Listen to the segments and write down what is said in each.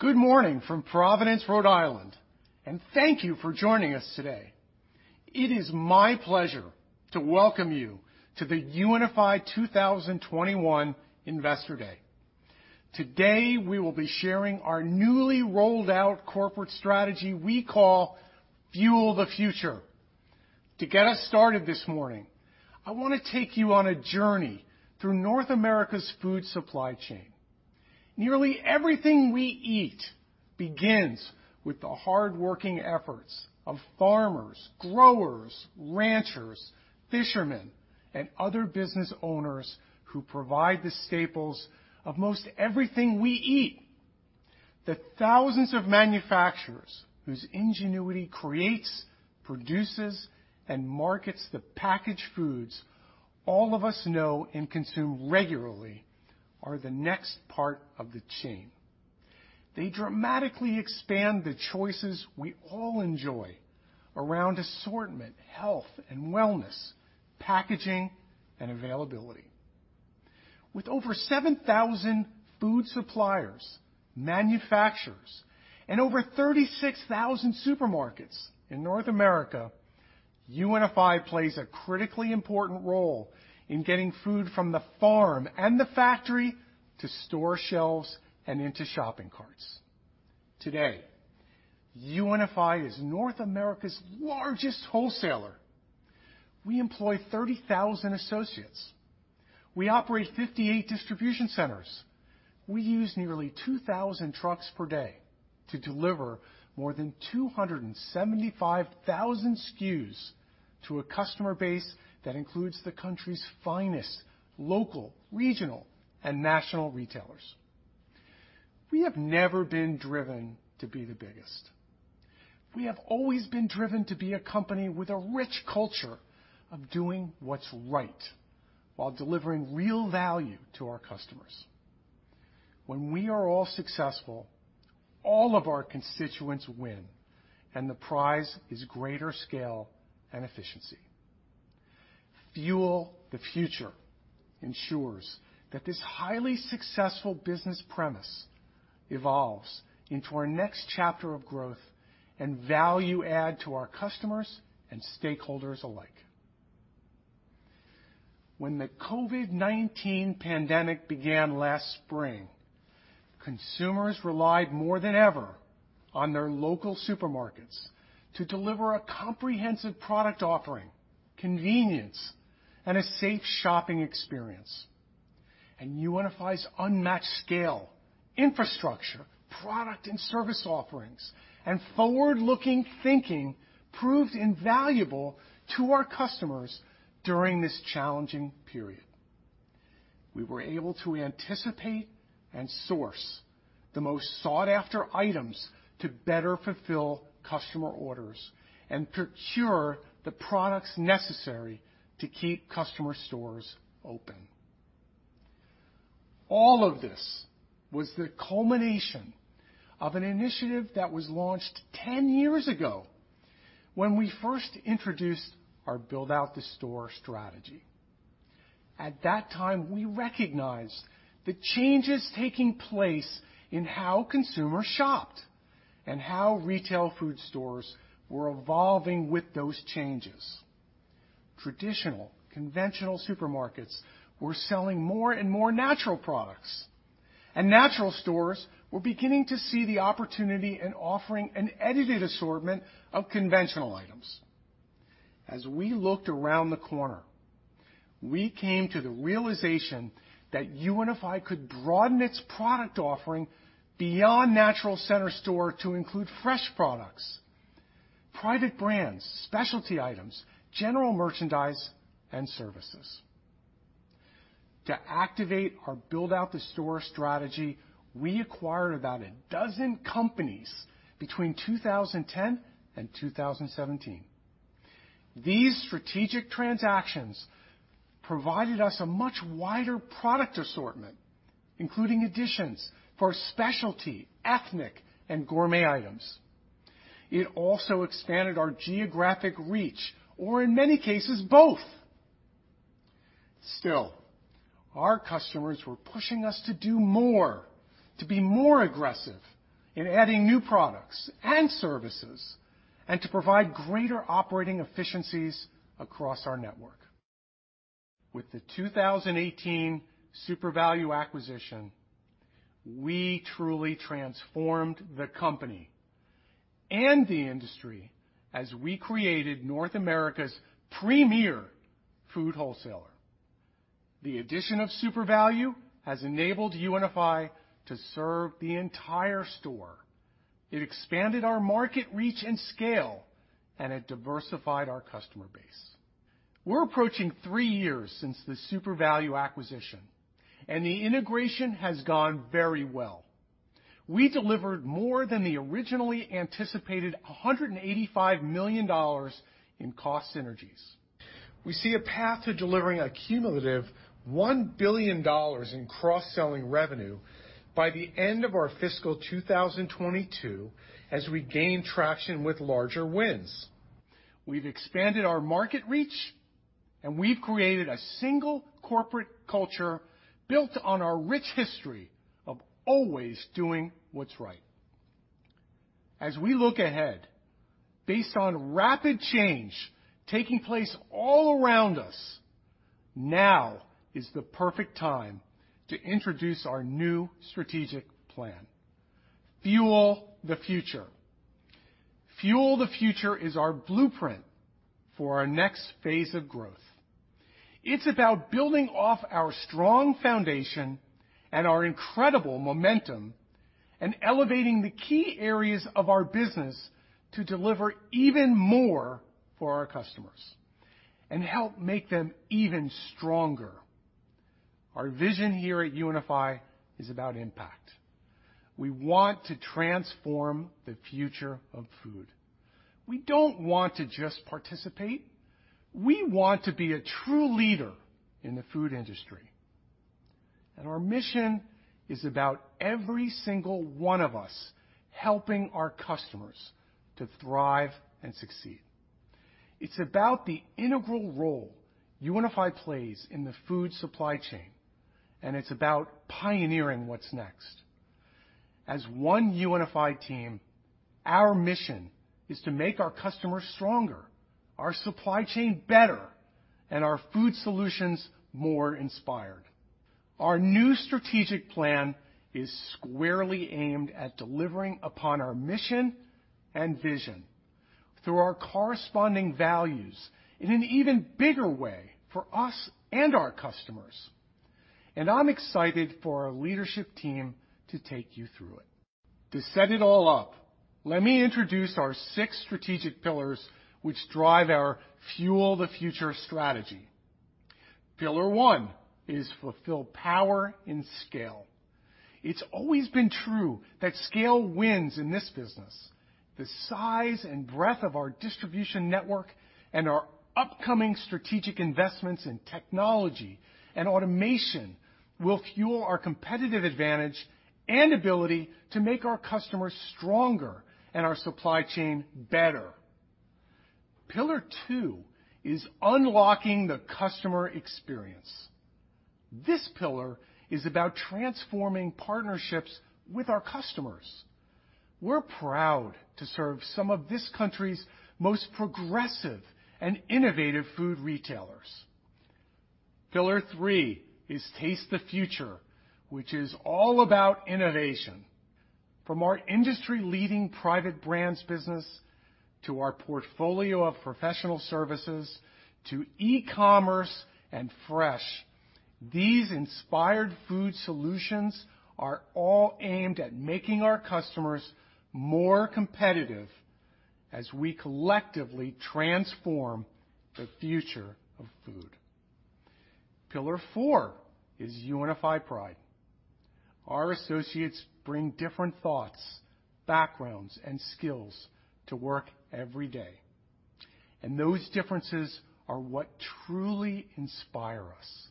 Good morning from Providence, Rhode Island, and thank you for joining us today. It is my pleasure to welcome you to the UNFI 2021 Investor Day. Today we will be sharing our newly rolled out corporate strategy we call Fuel the Future. To get us started this morning, I want to take you on a journey through North America's food supply chain. Nearly everything we eat begins with the hardworking efforts of farmers, growers, ranchers, fishermen, and other business owners who provide the staples of most everything we eat. The thousands of manufacturers whose ingenuity creates, produces, and markets the packaged foods all of us know and consume regularly are the next part of the chain. They dramatically expand the choices we all enjoy around assortment, health, and wellness, packaging, and availability. With over 7,000 food suppliers, manufacturers, and over 36,000 supermarkets in North America, UNFI plays a critically important role in getting food from the farm and the factory to store shelves and into shopping carts. Today, UNFI is North America's largest wholesaler. We employ 30,000 associates. We operate 58 Distribution Centers. We use nearly 2,000 trucks per day to deliver more than 275,000 SKUs to a customer base that includes the country's finest local, regional, and national retailers. We have never been driven to be the biggest. We have always been driven to be a company with a rich culture of doing what's right while delivering real value to our customers. When we are all successful, all of our constituents win, the prize is greater scale and efficiency. Fuel the Future ensures that this highly successful business premise evolves into our next chapter of growth and value add to our customers and stakeholders alike. When the COVID-19 pandemic began last spring, consumers relied more than ever on their local supermarkets to deliver a comprehensive product offering, convenience, and a safe shopping experience. UNFI's unmatched scale, infrastructure, product and service offerings, and forward-looking thinking proved invaluable to our customers during this challenging period. We were able to anticipate and source the most sought-after items to better fulfill customer orders and procure the products necessary to keep customer stores open. All of this was the culmination of an initiative that was launched 10 years ago when we first introduced our Build Out the Store strategy. At that time, we recognized the changes taking place in how consumers shopped and how retail food stores were evolving with those changes. Traditional, conventional supermarkets were selling more and more natural products, and natural stores were beginning to see the opportunity in offering an edited assortment of conventional items. As we looked around the corner, we came to the realization that UNFI could broaden its product offering beyond natural center store to include fresh products, private brands, specialty items, general merchandise, and services. To activate our Build Out the Store strategy, we acquired about 12 companies between 2010 and 2017. These strategic transactions provided us a much wider product assortment, including additions for specialty, ethnic, and gourmet items. It also expanded our geographic reach, or in many cases, both. Still, our customers were pushing us to do more, to be more aggressive in adding new products and services, and to provide greater operating efficiencies across our network. With the 2018 Supervalu acquisition, we truly transformed the company and the industry as we created North America's premier food wholesaler. The addition of Supervalu has enabled UNFI to serve the entire store. It expanded our market reach and scale, and it diversified our customer base. We're approaching three years since the Supervalu acquisition, and the integration has gone very well. We delivered more than the originally anticipated $185 million in cost synergies. We see a path to delivering a cumulative $1 billion in cross-selling revenue by the end of our FY 2022 as we gain traction with larger wins. We've expanded our market reach, and we've created a single corporate culture built on our rich history of always doing what's right. As we look ahead, based on rapid change taking place all around us, now is the perfect time to introduce our new strategic plan: Fuel the Future. Fuel the Future is our blueprint for our next phase of growth. It's about building off our strong foundation and our incredible momentum and elevating the key areas of our business to deliver even more for our customers and help make them even stronger. Our vision here at UNFI is about impact. We want to transform the future of food. We don't want to just participate. We want to be a true leader in the food industry. Our mission is about every single one of us helping our customers to thrive and succeed. It's about the integral role UNFI plays in the food supply chain, and it's about pioneering what's next. As one UNFI team, our mission is to make our customers stronger, our supply chain better, and our food solutions more inspired. Our new strategic plan is squarely aimed at delivering upon our mission and vision through our corresponding values in an even bigger way for us and our customers. I'm excited for our leadership team to take you through it. To set it all up, let me introduce our six strategic pillars which drive our Fuel the Future strategy. Pillar 1 is Fulfill Power in Scale. It's always been true that scale wins in this business. The size and breadth of our distribution network and our upcoming strategic investments in technology and automation will fuel our competitive advantage and ability to make our customers stronger and our supply chain better. Pillar 2 is Unlocking the Customer Experience. This pillar is about transforming partnerships with our customers. We're proud to serve some of this country's most progressive and innovative food retailers. Pillar 3 is Taste the Future, which is all about innovation. From our industry-leading private brands business to our portfolio of professional services to e-commerce and fresh, these inspired food solutions are all aimed at making our customers more competitive as we collectively transform the future of food. Pillar 4 is UNFI Pride. Our associates bring different thoughts, backgrounds, and skills to work every day. Those differences are what truly inspire us.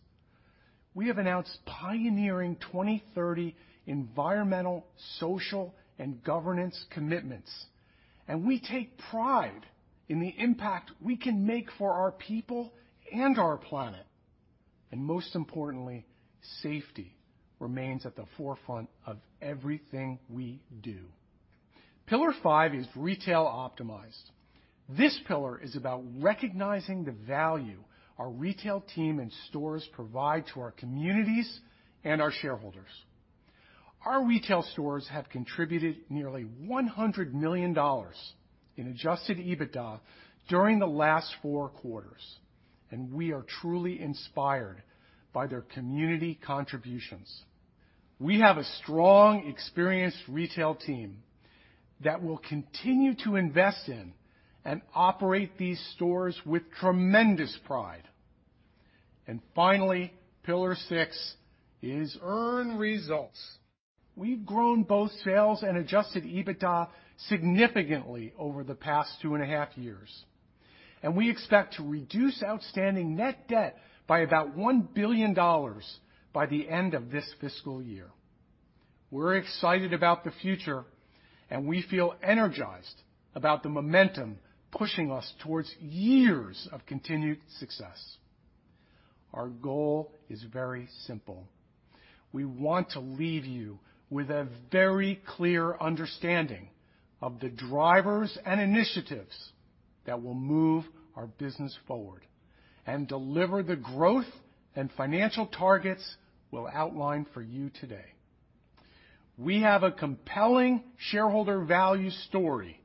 We have announced Pioneering 2030 Environmental, Social, and Governance commitments, and we take pride in the impact we can make for our people and our planet. Most importantly, safety remains at the forefront of everything we do. Pillar 5 is Retail Optimized. This pillar is about recognizing the value our retail team and stores provide to our communities and our shareholders. Our retail stores have contributed nearly $100 million in Adjusted EBITDA during the last four quarters, and we are truly inspired by their community contributions. We have a strong, experienced retail team that will continue to invest in and operate these stores with tremendous pride. Finally, pillar six is Earn Results. We've grown both sales and Adjusted EBITDA significantly over the past two and a half years, and we expect to reduce outstanding net debt by about $1 billion by the end of this fiscal year. We're excited about the future, and we feel energized about the momentum pushing us towards years of continued success. Our goal is very simple. We want to leave you with a very clear understanding of the drivers and initiatives that will move our business forward and deliver the growth and financial targets we'll outline for you today. We have a compelling shareholder value story,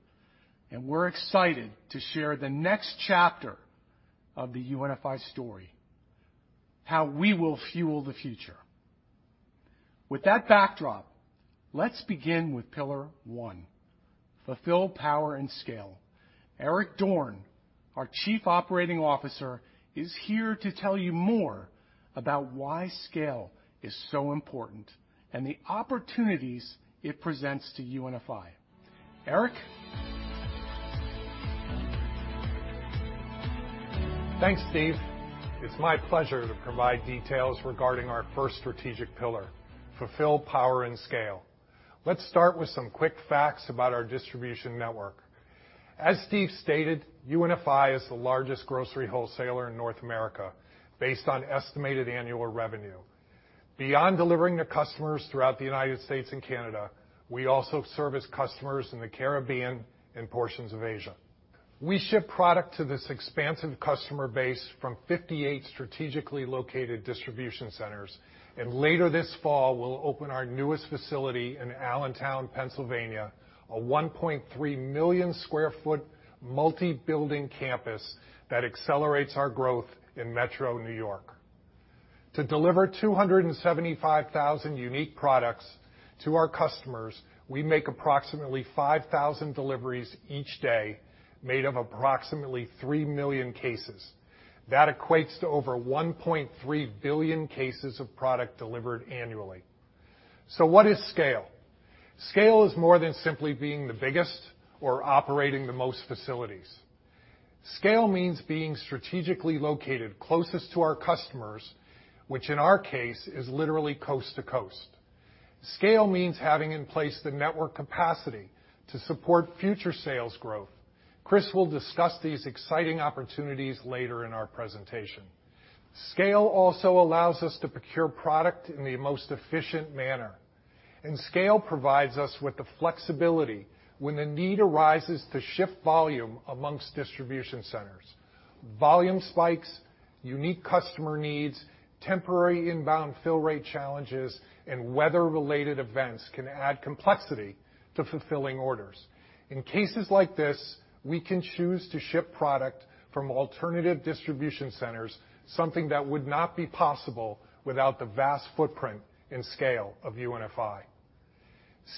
and we're excited to share the next chapter of the UNFI story: how we will Fuel the Future. With that backdrop, let's begin with pillar one: Fulfill Power in Scale. Eric Dorne, our Chief Operating Officer, is here to tell you more about why scale is so important and the opportunities it presents to UNFI. Eric? Thanks, Steve. It's my pleasure to provide details regarding our first strategic pillar, Fulfill Power in Scale. Let's start with some quick facts about our distribution network. As Steve stated, UNFI is the largest grocery wholesaler in North America based on estimated annual revenue. Beyond delivering to customers throughout the U.S. and Canada, we also service customers in the Caribbean and portions of Asia. We ship product to this expansive customer base from 58 strategically located distribution centers, and later this fall we'll open our newest facility in Allentown, Pennsylvania, a 1.3 million sq ft multi-building campus that accelerates our growth in Metro New York. To deliver 275,000 unique products to our customers, we make approximately 5,000 deliveries each day made of approximately 3 million cases. That equates to over 1.3 billion cases of product delivered annually. What is scale? Scale is more than simply being the biggest or operating the most facilities. Scale means being strategically located closest to our customers, which in our case is literally coast to coast. Scale means having in place the network capacity to support future sales growth. Chris will discuss these exciting opportunities later in our presentation. Scale also allows us to procure product in the most efficient manner, and scale provides us with the flexibility when the need arises to shift volume amongst distribution centers. Volume spikes, unique customer needs, temporary inbound fill rate challenges, and weather-related events can add complexity to fulfilling orders. In cases like this, we can choose to ship product from alternative distribution centers, something that would not be possible without the vast footprint and scale of UNFI.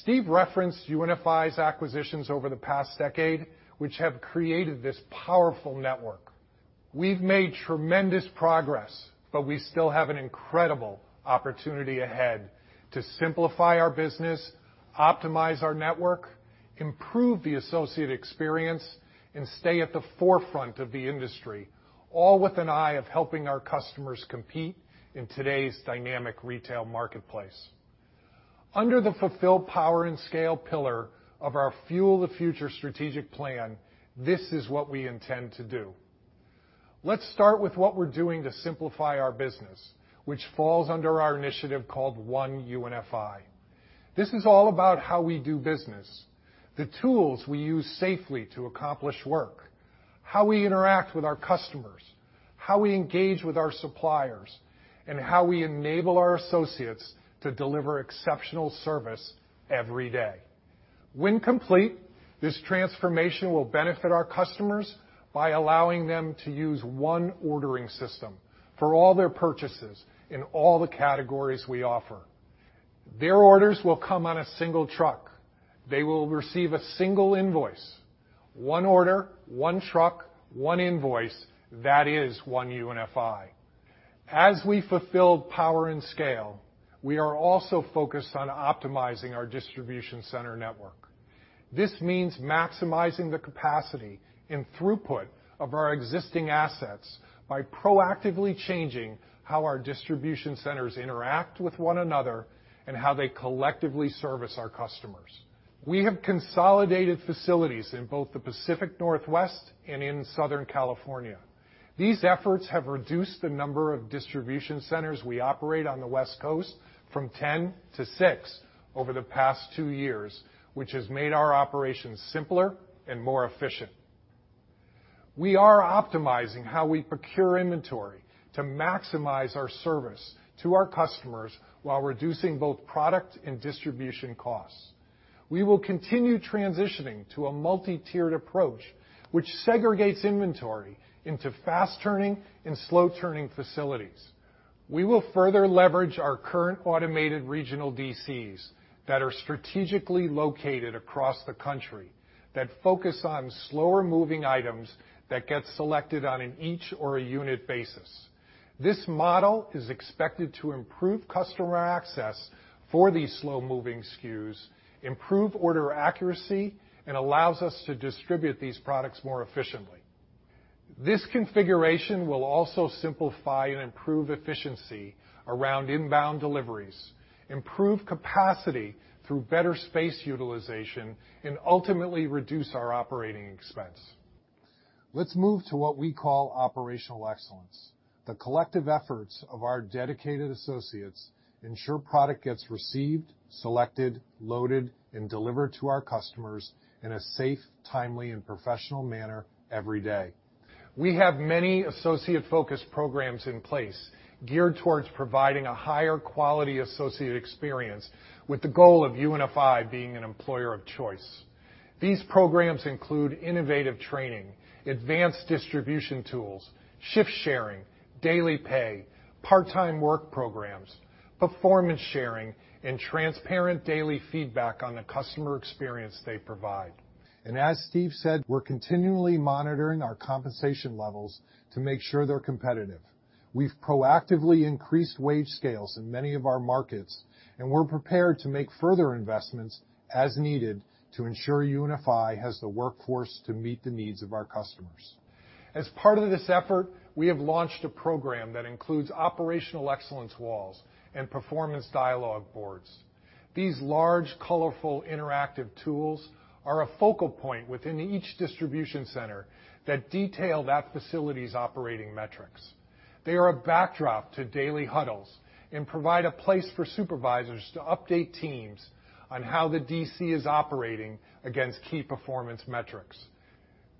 Steve referenced UNFI's acquisitions over the past decade, which have created this powerful network. We've made tremendous progress, but we still have an incredible opportunity ahead to simplify our business, optimize our network, improve the associate experience, and stay at the forefront of the industry, all with an eye of helping our customers compete in today's dynamic retail marketplace. Under the Fulfill Power in Scale pillar of our Fuel the Future strategic plan, this is what we intend to do. Let's start with what we're doing to simplify our business, which falls under our initiative called One UNFI. This is all about how we do business, the tools we use safely to accomplish work, how we interact with our customers, how we engage with our suppliers, and how we enable our associates to deliver exceptional service every day. When complete, this transformation will benefit our customers by allowing them to use one ordering system for all their purchases in all the categories we offer. Their orders will come on a single truck. They will receive a single invoice. One order, one truck, one invoice. That is One UNFI. As we fulfill Power in Scale, we are also focused on optimizing our distribution center network. This means maximizing the capacity and throughput of our existing assets by proactively changing how our distribution centers interact with one another and how they collectively service our customers. We have consolidated facilities in both the Pacific Northwest and in Southern California. These efforts have reduced the number of distribution centers we operate on the West Coast from 10 to 6 over the past two years, which has made our operations simpler and more efficient. We are optimizing how we procure inventory to maximize our service to our customers while reducing both product and distribution costs. We will continue transitioning to a multi-tiered approach, which segregates inventory into fast-turning and slow-turning facilities. We will further leverage our current automated regional DCs that are strategically located across the country that focus on slower-moving items that get selected on an each-or-a-unit basis. This model is expected to improve customer access for these slow-moving SKUs, improve order accuracy, and allows us to distribute these products more efficiently. This configuration will also simplify and improve efficiency around inbound deliveries, improve capacity through better space utilization, and ultimately reduce our operating expense. Let's move to what we call operational excellence. The collective efforts of our dedicated associates ensure product gets received, selected, loaded, and delivered to our customers in a safe, timely, and professional manner every day. We have many associate-focused programs in place geared towards providing a higher quality associate experience, with the goal of UNFI being an employer of choice. These programs include innovative training, advanced distribution tools, shift sharing, daily pay, part-time work programs, performance sharing, and transparent daily feedback on the customer experience they provide. As Steve said, we're continually monitoring our compensation levels to make sure they're competitive. We've proactively increased wage scales in many of our markets, and we're prepared to make further investments as needed to ensure UNFI has the workforce to meet the needs of our customers. As part of this effort, we have launched a program that includes operational excellence walls and performance dialogue boards. These large, colorful, interactive tools are a focal point within each distribution center that detail that facility's operating metrics. They are a backdrop to daily huddles and provide a place for supervisors to update teams on how the DC is operating against key performance metrics.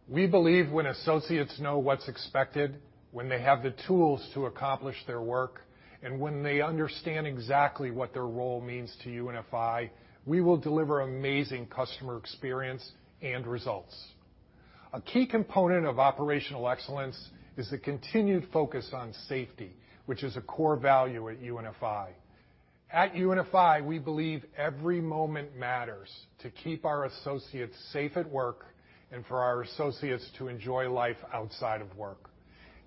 We believe when associates know what's expected, when they have the tools to accomplish their work, and when they understand exactly what their role means to UNFI, we will deliver amazing customer experience and results. A key component of operational excellence is the continued focus on safety, which is a core value at UNFI. At UNFI, we believe Every Moment Matters to keep our associates safe at work and for our associates to enjoy life outside of work.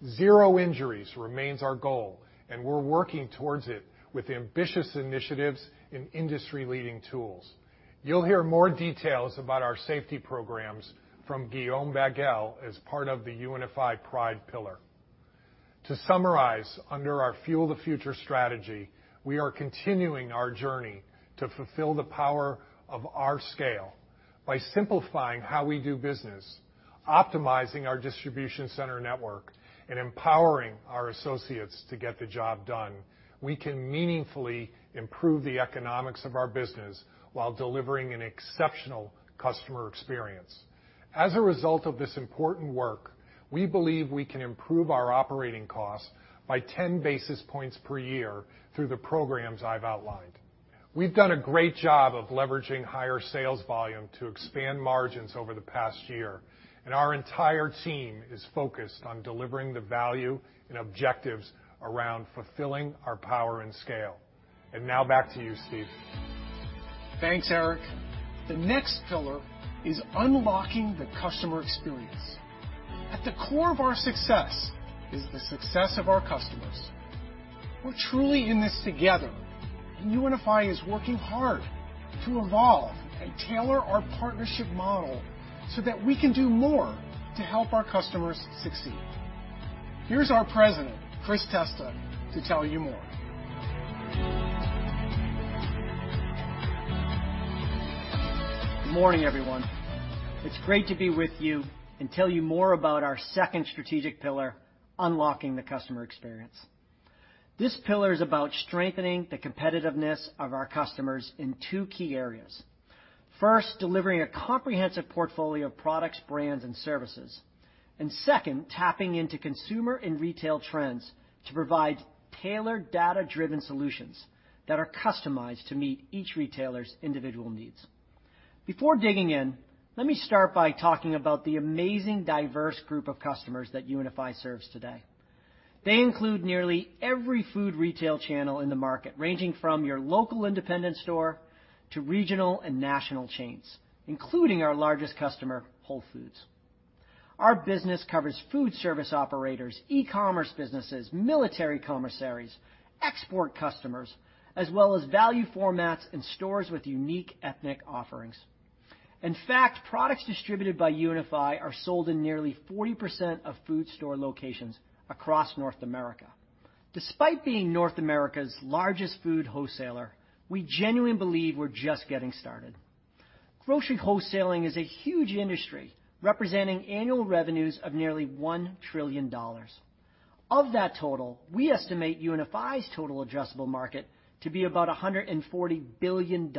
Zero injuries remains our goal, and we're working towards it with ambitious initiatives and industry-leading tools. You'll hear more details about our safety programs from Guillaume Bagal as part of the UNFI Pride pillar. To summarize, under our Fuel the Future strategy, we are continuing our journey to fulfill the power of our scale. By simplifying how we do business, optimizing our distribution center network, and empowering our associates to get the job done, we can meaningfully improve the economics of our business while delivering an exceptional customer experience. As a result of this important work, we believe we can improve our operating costs by 10 basis points per year through the programs I've outlined. We've done a great job of leveraging higher sales volume to expand margins over the past year, our entire team is focused on delivering the value and objectives around fulfilling our power and scale. Now back to you, Steve. Thanks, Eric. The next pillar is Unlock the Customer Experience. At the core of our success is the success of our customers. We're truly in this together, and UNFI is working hard to evolve and tailor our partnership model so that we can do more to help our customers succeed. Here's our President, Chris Testa, to tell you more. Good morning, everyone. It's great to be with you and tell you more about our second strategic pillar, Unlock the Customer Experience. This pillar is about strengthening the competitiveness of our customers in two key areas. First, delivering a comprehensive portfolio of products, brands, and services. Second, tapping into consumer and retail trends to provide tailored, data-driven solutions that are customized to meet each retailer's individual needs. Before digging in, let me start by talking about the amazing, diverse group of customers that UNFI serves today. They include nearly every food retail channel in the market, ranging from your local independent store to regional and national chains, including our largest customer, Whole Foods Market. Our business covers food service operators, e-commerce businesses, military commissaries, export customers, as well as value formats and stores with unique ethnic offerings. In fact, products distributed by UNFI are sold in nearly 40% of food store locations across North America. Despite being North America's largest food wholesaler, we genuinely believe we're just getting started. Grocery wholesaling is a huge industry, representing annual revenues of nearly $1 trillion. Of that total, we estimate UNFI's total addressable market to be about $140 billion.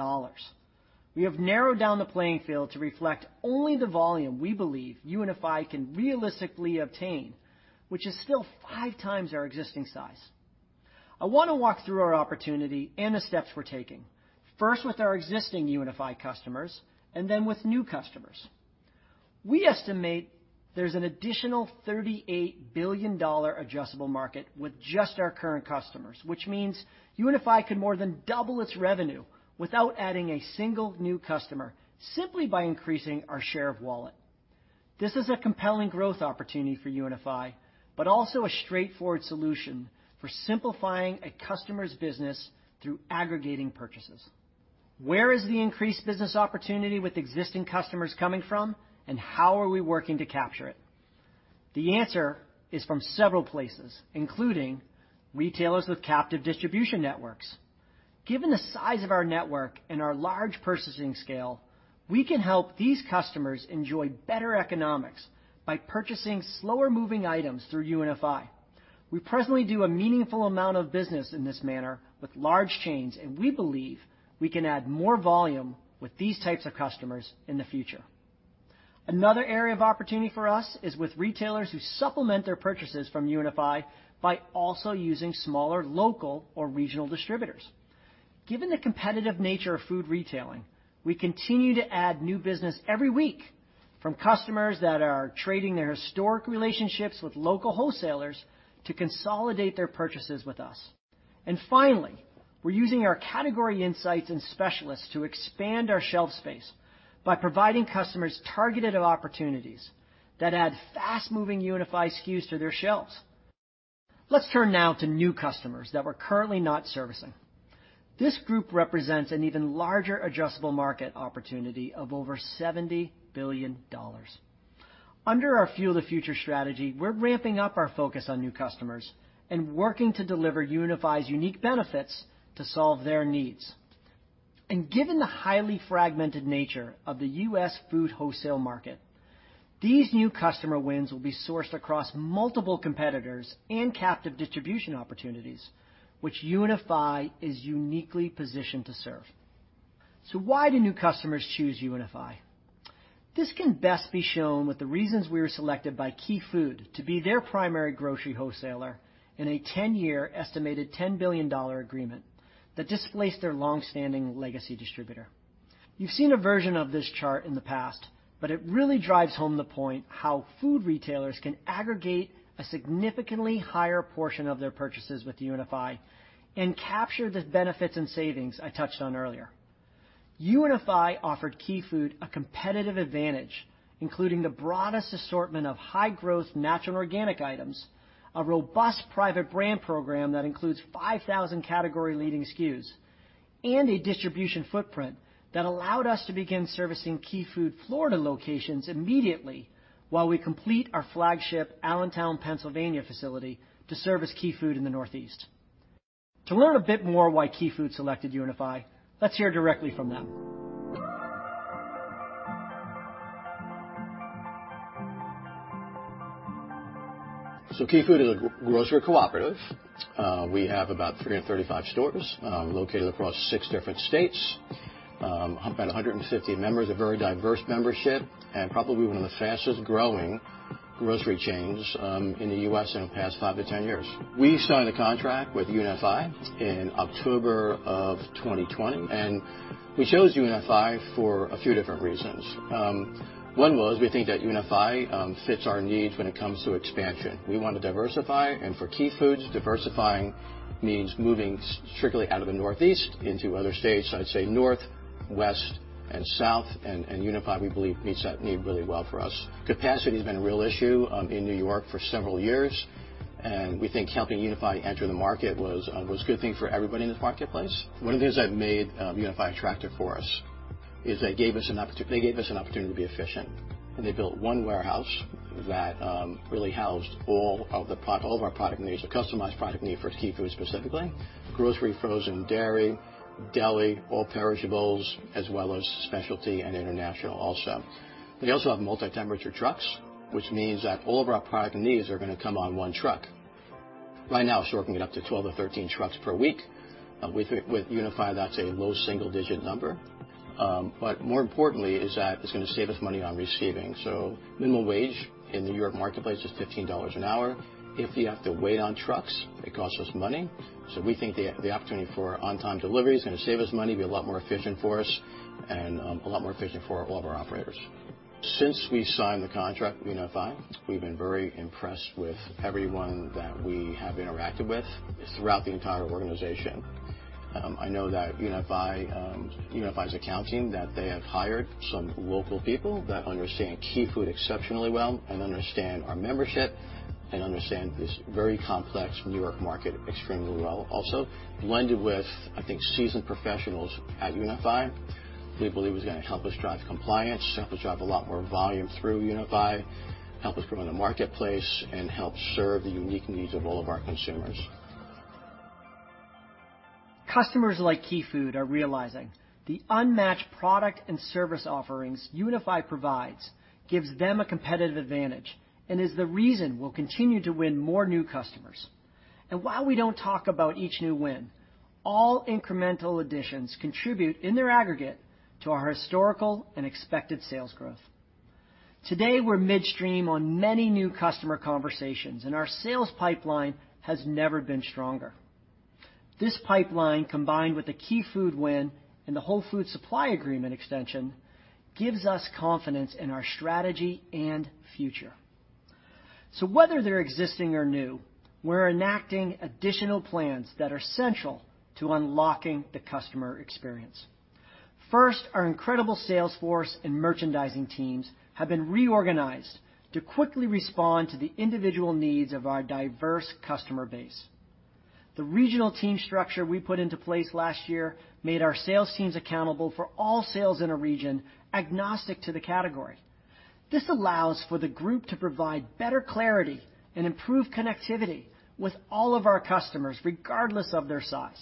We have narrowed down the playing field to reflect only the volume we believe UNFI can realistically obtain, which is still five times our existing size. I want to walk through our opportunity and the steps we're taking, first with our existing UNFI customers and then with new customers. We estimate there's an additional $38 billion addressable market with just our current customers, which means UNFI could more than double its revenue without adding a single new customer simply by increasing our share of wallet. This is a compelling growth opportunity for UNFI, but also a straightforward solution for simplifying a customer's business through aggregating purchases. Where is the increased business opportunity with existing customers coming from, and how are we working to capture it? The answer is from several places, including retailers with captive distribution networks. Given the size of our network and our large purchasing scale, we can help these customers enjoy better economics by purchasing slower-moving items through UNFI. We presently do a meaningful amount of business in this manner with large chains, and we believe we can add more volume with these types of customers in the future. Another area of opportunity for us is with retailers who supplement their purchases from UNFI by also using smaller, local, or regional distributors. Given the competitive nature of food retailing, we continue to add new business every week, from customers that are trading their historic relationships with local wholesalers to consolidate their purchases with us. Finally, we're using our category insights and specialists to expand our shelf space by providing customers targeted opportunities that add fast-moving UNFI SKUs to their shelves. Let's turn now to new customers that we're currently not servicing. This group represents an even larger addressable market opportunity of over $70 billion. Under our Fuel the Future strategy, we're ramping up our focus on new customers and working to deliver UNFI's unique benefits to solve their needs. Given the highly fragmented nature of the U.S. food wholesale market, these new customer wins will be sourced across multiple competitors and captive distribution opportunities, which UNFI is uniquely positioned to serve. Why do new customers choose UNFI? This can best be shown with the reasons we were selected by Key Food to be their primary grocery wholesaler in a 10-year, estimated $10 billion agreement that displaced their longstanding legacy distributor. You've seen a version of this chart in the past, but it really drives home the point how food retailers can aggregate a significantly higher portion of their purchases with UNFI and capture the benefits and savings I touched on earlier. UNFI offered Key Food a competitive advantage, including the broadest assortment of high-growth natural and organic items, a robust private brand program that includes 5,000 category-leading SKUs, and a distribution footprint that allowed us to begin servicing Key Food Florida locations immediately while we complete our flagship Allentown, Pennsylvania facility to service Key Food in the Northeast. To learn a bit more why Key Food selected UNFI, let's hear directly from them. Key Food is a grocery cooperative. We have about 335 stores located across six different states, about 150 members, a very diverse membership, and probably one of the fastest-growing grocery chains in the U.S. in the past 5-10 years. We signed a contract with UNFI in October of 2020, and we chose UNFI for a few different reasons. One was we think that UNFI fits our needs when it comes to expansion. We want to diversify, and for Key Food, diversifying means moving strictly out of the Northeast into other states. I'd say North, West, and South, and UNFI, we believe, meets that need really well for us. Capacity has been a real issue in New York for several years, and we think helping UNFI enter the market was a good thing for everybody in this marketplace. One of the things that made UNFI attractive for us is they gave us an opportunity to be efficient, and they built one warehouse that really housed all of our product needs, a customized product need for Key Food specifically: grocery, frozen, dairy, deli, all perishables, as well as specialty and international also. They also have multi-temperature trucks, which means that all of our product needs are going to come on one truck. Right now, it's working at up to 12 or 13 trucks per week. With UNFI, that's a low single-digit number. More importantly, is that it's going to save us money on receiving. Minimum wage in the New York marketplace is $15 an hour. If we have to wait on trucks, it costs us money. We think the opportunity for on-time delivery is going to save us money, be a lot more efficient for us, and a lot more efficient for all of our operators. Since we signed the contract with UNFI, we've been very impressed with everyone that we have interacted with throughout the entire organization. I know that UNFI's account team, that they have hired some local people that understand Key Food exceptionally well and understand our membership and understand this very complex New York market extremely well, also blended with, I think, seasoned professionals at UNFI. We believe it's going to help us drive compliance, help us drive a lot more volume through UNFI, help us grow in the marketplace, and help serve the unique needs of all of our consumers. Customers like Key Food are realizing the unmatched product and service offerings UNFI provides gives them a competitive advantage and is the reason we'll continue to win more new customers. While we don't talk about each new win, all incremental additions contribute in their aggregate to our historical and expected sales growth. Today, we're midstream on many new customer conversations, and our sales pipeline has never been stronger. This pipeline, combined with the Key Food win and the Whole Foods Market supply agreement extension, gives us confidence in our strategy and future. Whether they're existing or new, we're enacting additional plans that are central to Unlock the Customer Experience. First, our incredible sales force and merchandising teams have been reorganized to quickly respond to the individual needs of our diverse customer base. The regional team structure we put into place last year made our sales teams accountable for all sales in a region agnostic to the category. This allows for the group to provide better clarity and improve connectivity with all of our customers, regardless of their size.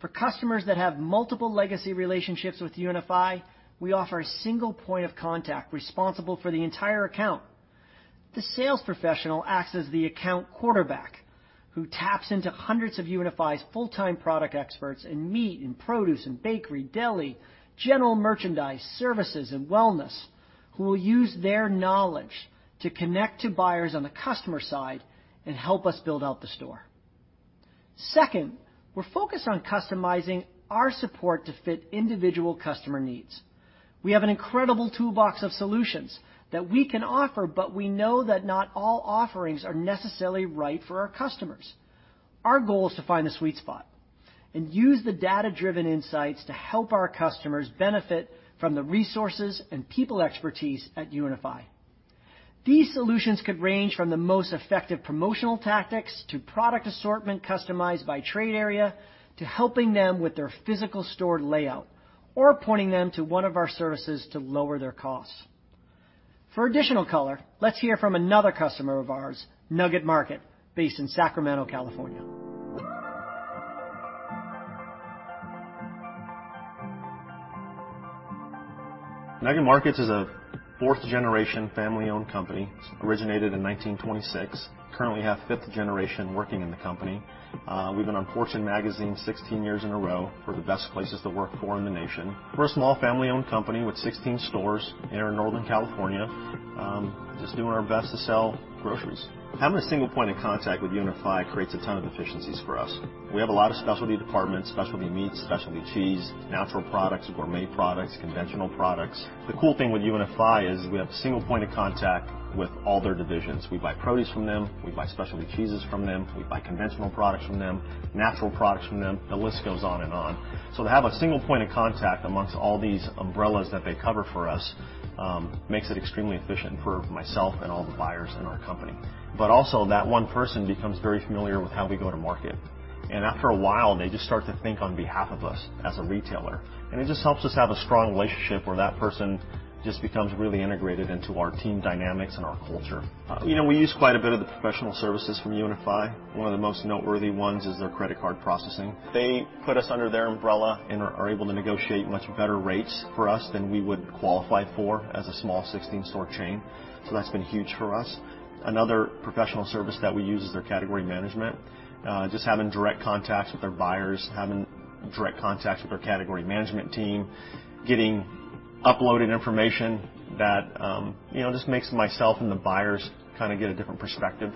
For customers that have multiple legacy relationships with UNFI, we offer a single point of contact responsible for the entire account. The sales professional acts as the account quarterback who taps into hundreds of UNFI's full-time product experts in meat and produce and bakery, deli, general merchandise, services, and wellness, who will use their knowledge to connect to buyers on the customer side and help us Build Out the Store. Second, we're focused on customizing our support to fit individual customer needs. We have an incredible toolbox of solutions that we can offer, but we know that not all offerings are necessarily right for our customers. Our goal is to find the sweet spot and use the data-driven insights to help our customers benefit from the resources and people expertise at UNFI. These solutions could range from the most effective promotional tactics to product assortment customized by trade area to helping them with their physical store layout or pointing them to one of our services to lower their costs. For additional color, let's hear from another customer of ours, Nugget Markets, based in Sacramento, California. Nugget Markets is a fourth-generation family-owned company. It originated in 1926. Currently, we have fifth generation working in the company. We've been on Fortune magazine 16 years in a row for the best places to work for in the nation. We're a small family-owned company with 16 stores in our Northern California, just doing our best to sell groceries. Having a single point of contact with UNFI creates a ton of efficiencies for us. We have a lot of specialty departments, specialty meats, specialty cheese, natural products, gourmet products, conventional products. The cool thing with UNFI is we have a single point of contact with all their divisions. We buy produce from them. We buy specialty cheeses from them. We buy conventional products from them, natural products from them. The list goes on and on. To have a single point of contact amongst all these umbrellas that they cover for us makes it extremely efficient for myself and all the buyers in our company. Also, that one person becomes very familiar with how we go to market. After a while, they just start to think on behalf of us as a retailer. It just helps us have a strong relationship where that person just becomes really integrated into our team dynamics and our culture. We use quite a bit of the professional services from UNFI. One of the most noteworthy ones is their credit card processing. They put us under their umbrella and are able to negotiate much better rates for us than we would qualify for as a small 16-store chain. That's been huge for us. Another professional service that we use is their category management. Just having direct contacts with their buyers, having direct contacts with their category management team, getting uploaded information that just makes myself and the buyers kind of get a different perspective,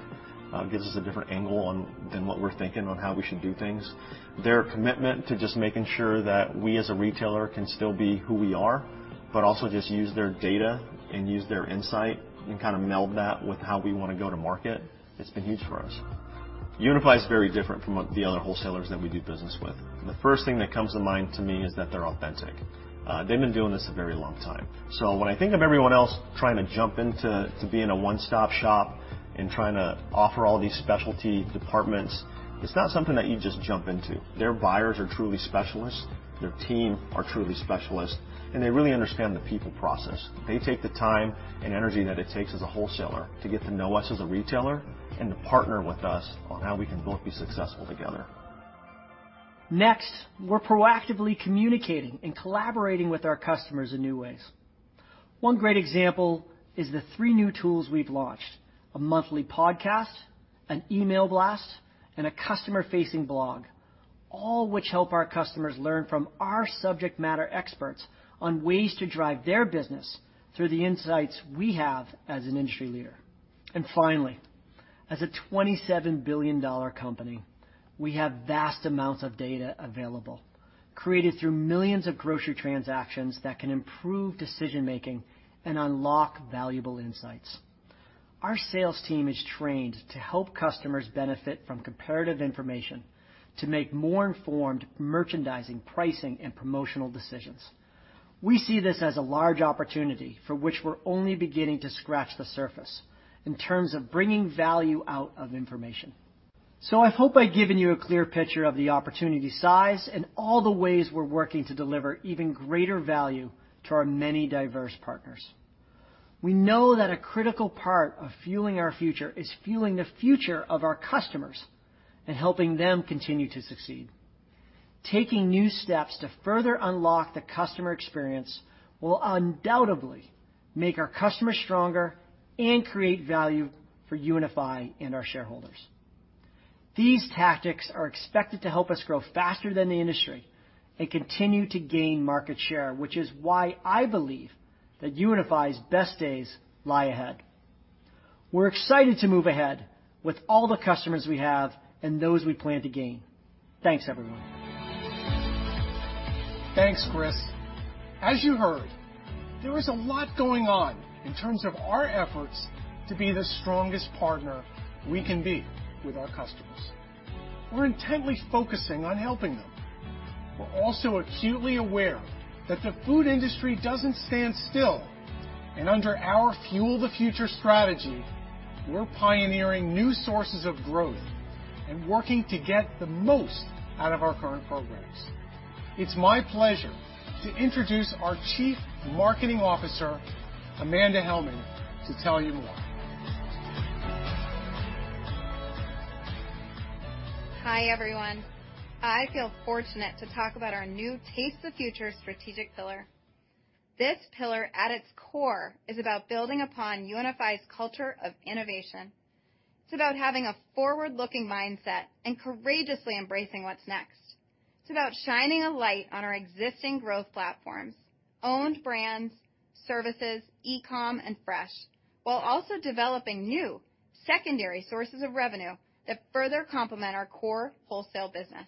gives us a different angle than what we're thinking on how we should do things. Their commitment to just making sure that we, as a retailer, can still be who we are, but also just use their data and use their insight and kind of meld that with how we want to go to market, it's been huge for us. UNFI is very different from the other wholesalers that we do business with. The first thing that comes to mind to me is that they're authentic. They've been doing this a very long time. When I think of everyone else trying to jump into being a one-stop shop and trying to offer all these specialty departments, it's not something that you just jump into. Their buyers are truly specialists. Their team are truly specialists, and they really understand the people process. They take the time and energy that it takes as a wholesaler to get to know us as a retailer and to partner with us on how we can both be successful together. Next, we're proactively communicating and collaborating with our customers in new ways. One great example is the three new tools we've launched: a monthly podcast, an email blast, and a customer-facing blog, all which help our customers learn from our subject matter experts on ways to drive their business through the insights we have as an industry leader. Finally, as a $27 billion company, we have vast amounts of data available, created through millions of grocery transactions that can improve decision-making and unlock valuable insights. Our sales team is trained to help customers benefit from comparative information to make more informed merchandising, pricing, and promotional decisions. We see this as a large opportunity for which we're only beginning to scratch the surface in terms of bringing value out of information. I hope I've given you a clear picture of the opportunity size and all the ways we're working to deliver even greater value to our many diverse partners. We know that a critical part of fueling our future is fueling the future of our customers and helping them continue to succeed. Taking new steps to further Unlock the Customer Experience will undoubtedly make our customers stronger and create value for UNFI and our shareholders. These tactics are expected to help us grow faster than the industry and continue to gain market share, which is why I believe that UNFI's best days lie ahead. We're excited to move ahead with all the customers we have and those we plan to gain. Thanks, everyone. Thanks, Chris. As you heard, there is a lot going on in terms of our efforts to be the strongest partner we can be with our customers. We're intently focusing on helping them. We're also acutely aware that the food industry doesn't stand still. Under our Fuel the Future strategy, we're pioneering new sources of growth and working to get the most out of our current programs. It's my pleasure to introduce our Chief Marketing Officer, Amanda Helming, to tell you more. Hi, everyone. I feel fortunate to talk about our new Taste the Future strategic pillar. This pillar, at its core, is about building upon UNFI's culture of innovation. It's about having a forward-looking mindset and courageously embracing what's next. It's about shining a light on our existing growth platforms, owned brands, services, e-com, and fresh, while also developing new secondary sources of revenue that further complement our core wholesale business.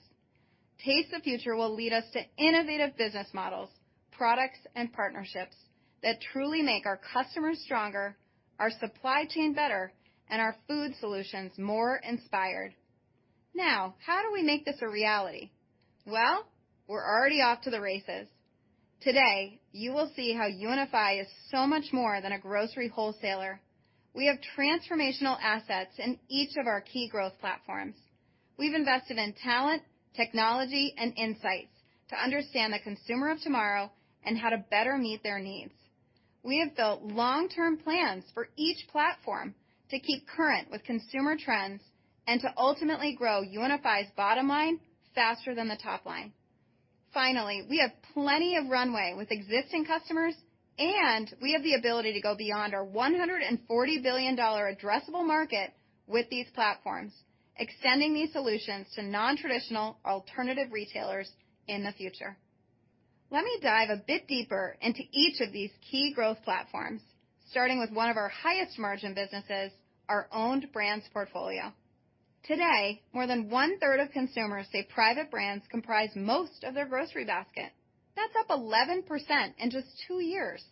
Taste the Future will lead us to innovative business models, products, and partnerships that truly make our customers stronger, our supply chain better, and our food solutions more inspired. Now, how do we make this a reality? Well, we're already off to the races. Today, you will see how UNFI is so much more than a grocery wholesaler. We have transformational assets in each of our key growth platforms. We've invested in talent, technology, and insights to understand the consumer of tomorrow and how to better meet their needs. We have built long-term plans for each platform to keep current with consumer trends and to ultimately grow UNFI's bottom line faster than the top line. Finally, we have plenty of runway with existing customers, and we have the ability to go beyond our $140 billion addressable market with these platforms, extending these solutions to non-traditional alternative retailers in the future. Let me dive a bit deeper into each of these key growth platforms, starting with one of our highest-margin businesses, our owned brands portfolio. Today, more than one-third of consumers say private brands comprise most of their grocery basket. That's up 11% in just two years.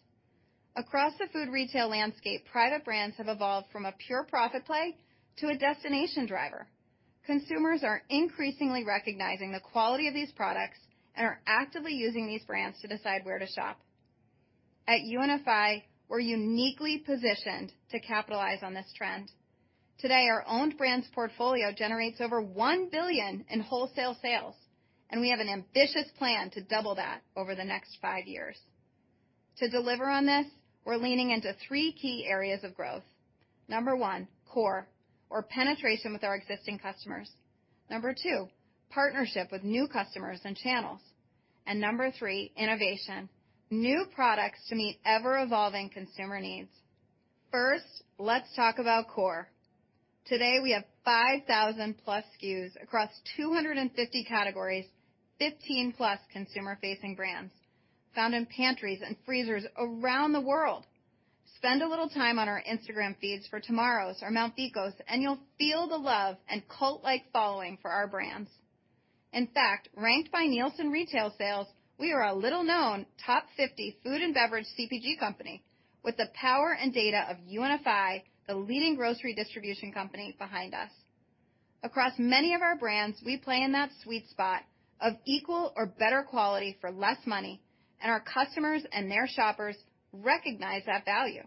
Across the food retail landscape, private brands have evolved from a pure profit play to a destination driver. Consumers are increasingly recognizing the quality of these products and are actively using these brands to decide where to shop. At UNFI, we're uniquely positioned to capitalize on this trend. Today, our owned brands portfolio generates over $1 billion in wholesale sales, and we have an ambitious plan to double that over the next five years. To deliver on this, we're leaning into three key areas of growth. Number one, core, or penetration with our existing customers. Number two, partnership with new customers and channels. Number three, innovation, new products to meet ever-evolving consumer needs. First, let's talk about core. Today, we have 5,000-plus SKUs across 250 categories, 15-plus consumer-facing brands found in pantries and freezers around the world. Spend a little time on our Instagram feeds for Tumaro's or Mt. Vikos, you'll feel the love and cult-like following for our brands. In fact, ranked by Nielsen Retail Sales, we are a little-known top 50 food and beverage CPG company with the power and data of UNFI, the leading grocery distribution company behind us. Across many of our brands, we play in that sweet spot of equal or better quality for less money, and our customers and their shoppers recognize that value.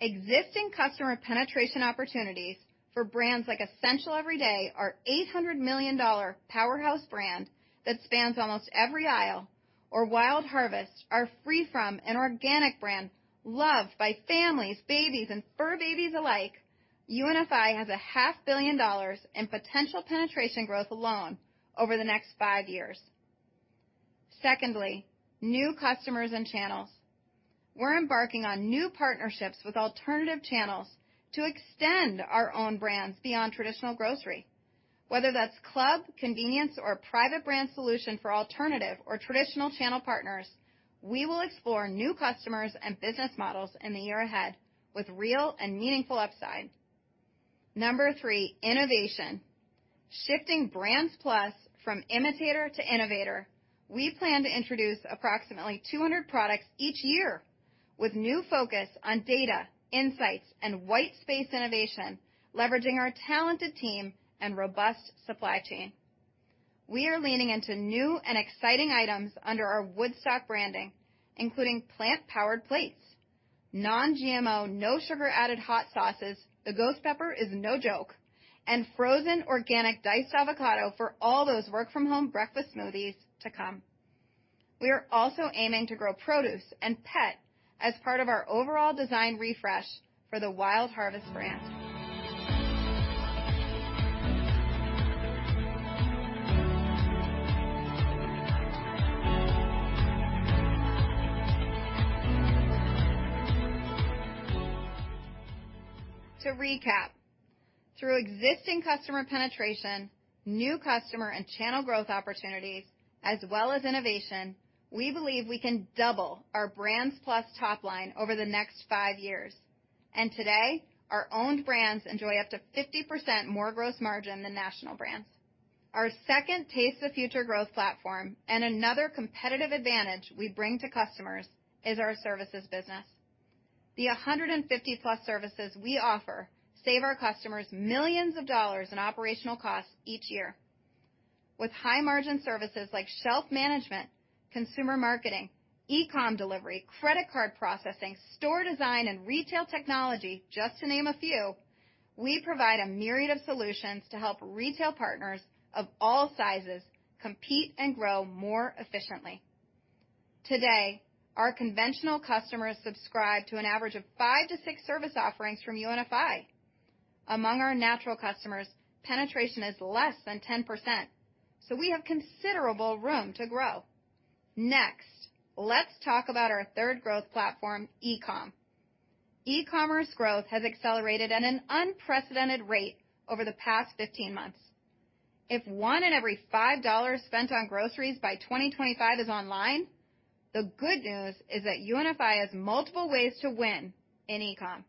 Existing customer penetration opportunities for brands like Essential Everyday, our $800 million powerhouse brand that spans almost every aisle, or Wild Harvest, our free-from and organic brand loved by families, babies, and fur babies alike, UNFI has a half billion dollars in potential penetration growth alone over the next five years. Secondly, new customers and channels. We're embarking on new partnerships with alternative channels to extend our own brands beyond traditional grocery. Whether that's Cub, convenience, or private brand solution for alternative or traditional channel partners, we will explore new customers and business models in the year ahead with real and meaningful upside. Number three, innovation. Shifting Brands+ from imitator to innovator, we plan to introduce approximately 200 products each year with new focus on data, insights, and white space innovation, leveraging our talented team and robust supply chain. We are leaning into new and exciting items under our Woodstock branding, including plant-powered plates, non-GMO no-sugar-added hot sauces, the ghost pepper is no joke, and frozen organic diced avocado for all those work-from-home breakfast smoothies to come. We are also aiming to grow produce and pet as part of our overall design refresh for the Wild Harvest brand. To recap, through existing customer penetration, new customer and channel growth opportunities, as well as innovation, we believe we can double our Brands+ top line over the next five years. Today, our owned brands enjoy up to 50% more gross margin than national brands. Our second Taste the Future growth platform and another competitive advantage we bring to customers is our services business. The 150-plus services we offer save our customers millions of dollars in operational costs each year. With high-margin services like shelf management, consumer marketing, e-com delivery, credit card processing, store design, and retail technology, just to name a few, we provide a myriad of solutions to help retail partners of all sizes compete and grow more efficiently. Today, our conventional customers subscribe to an average of five to six service offerings from UNFI. Among our natural customers, penetration is less than 10%. We have considerable room to grow. Next, let's talk about our third growth platform, e-com. E-commerce growth has accelerated at an unprecedented rate over the past 15 months. If one in every $5 spent on groceries by 2025 is online, the good news is that UNFI has multiple ways to win in e-com.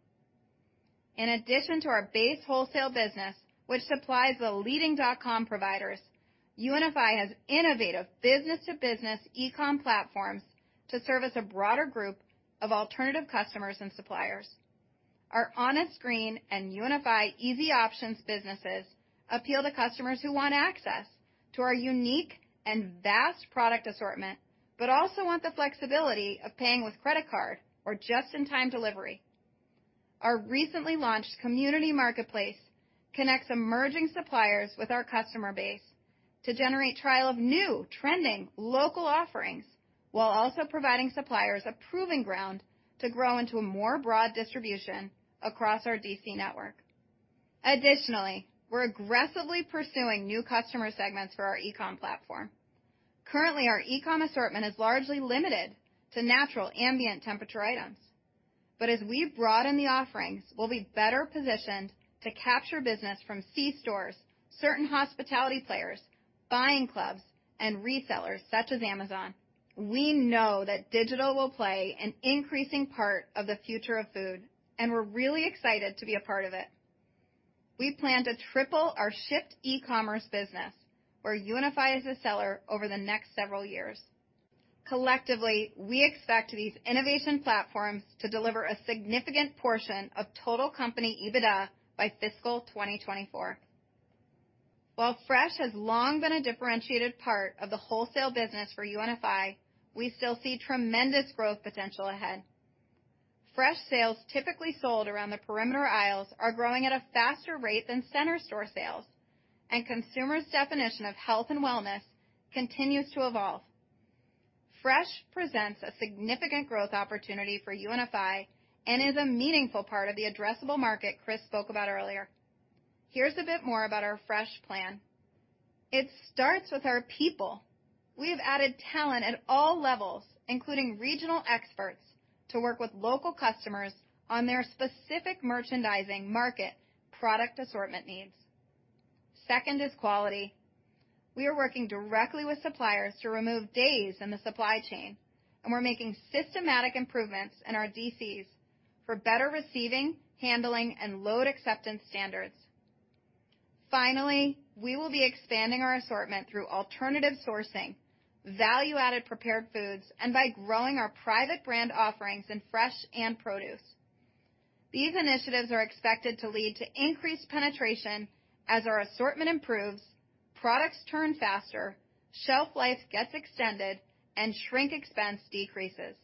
In addition to our base wholesale business, which supplies the leading dot-com providers, UNFI has innovative business-to-business e-com platforms to service a broader group of alternative customers and suppliers. Our Honest Green and UNFI Easy Options businesses appeal to customers who want access to our unique and vast product assortment but also want the flexibility of paying with credit card or just-in-time delivery. Our recently launched Community Marketplace connects emerging suppliers with our customer base to generate trial of new trending local offerings while also providing suppliers a proving ground to grow into a more broad distribution across our DC network. Additionally, we're aggressively pursuing new customer segments for our e-com platform. Currently, our e-com assortment is largely limited to natural ambient temperature items. As we broaden the offerings, we'll be better positioned to capture business from C-stores, certain hospitality players, buying clubs, and resellers such as Amazon. We know that digital will play an increasing part of the future of food, and we're really excited to be a part of it. We plan to triple our shipped e-commerce business, where UNFI is a seller, over the next several years. Collectively, we expect these innovation platforms to deliver a significant portion of total company EBITDA by fiscal 2024. While fresh has long been a differentiated part of the wholesale business for UNFI, we still see tremendous growth potential ahead. Fresh sales typically sold around the perimeter aisles are growing at a faster rate than center store sales, and consumers' definition of health and wellness continues to evolve. Fresh presents a significant growth opportunity for UNFI and is a meaningful part of the addressable market Chris spoke about earlier. Here's a bit more about our fresh plan. It starts with our people. We have added talent at all levels, including regional experts, to work with local customers on their specific merchandising market product assortment needs. Second is quality. We are working directly with suppliers to remove days in the supply chain, and we're making systematic improvements in our DCs for better receiving, handling, and load acceptance standards. Finally, we will be expanding our assortment through alternative sourcing, value-added prepared foods, and by growing our private brand offerings in fresh and produce. These initiatives are expected to lead to increased penetration as our assortment improves, products turn faster, shelf life gets extended, and shrink expense decreases.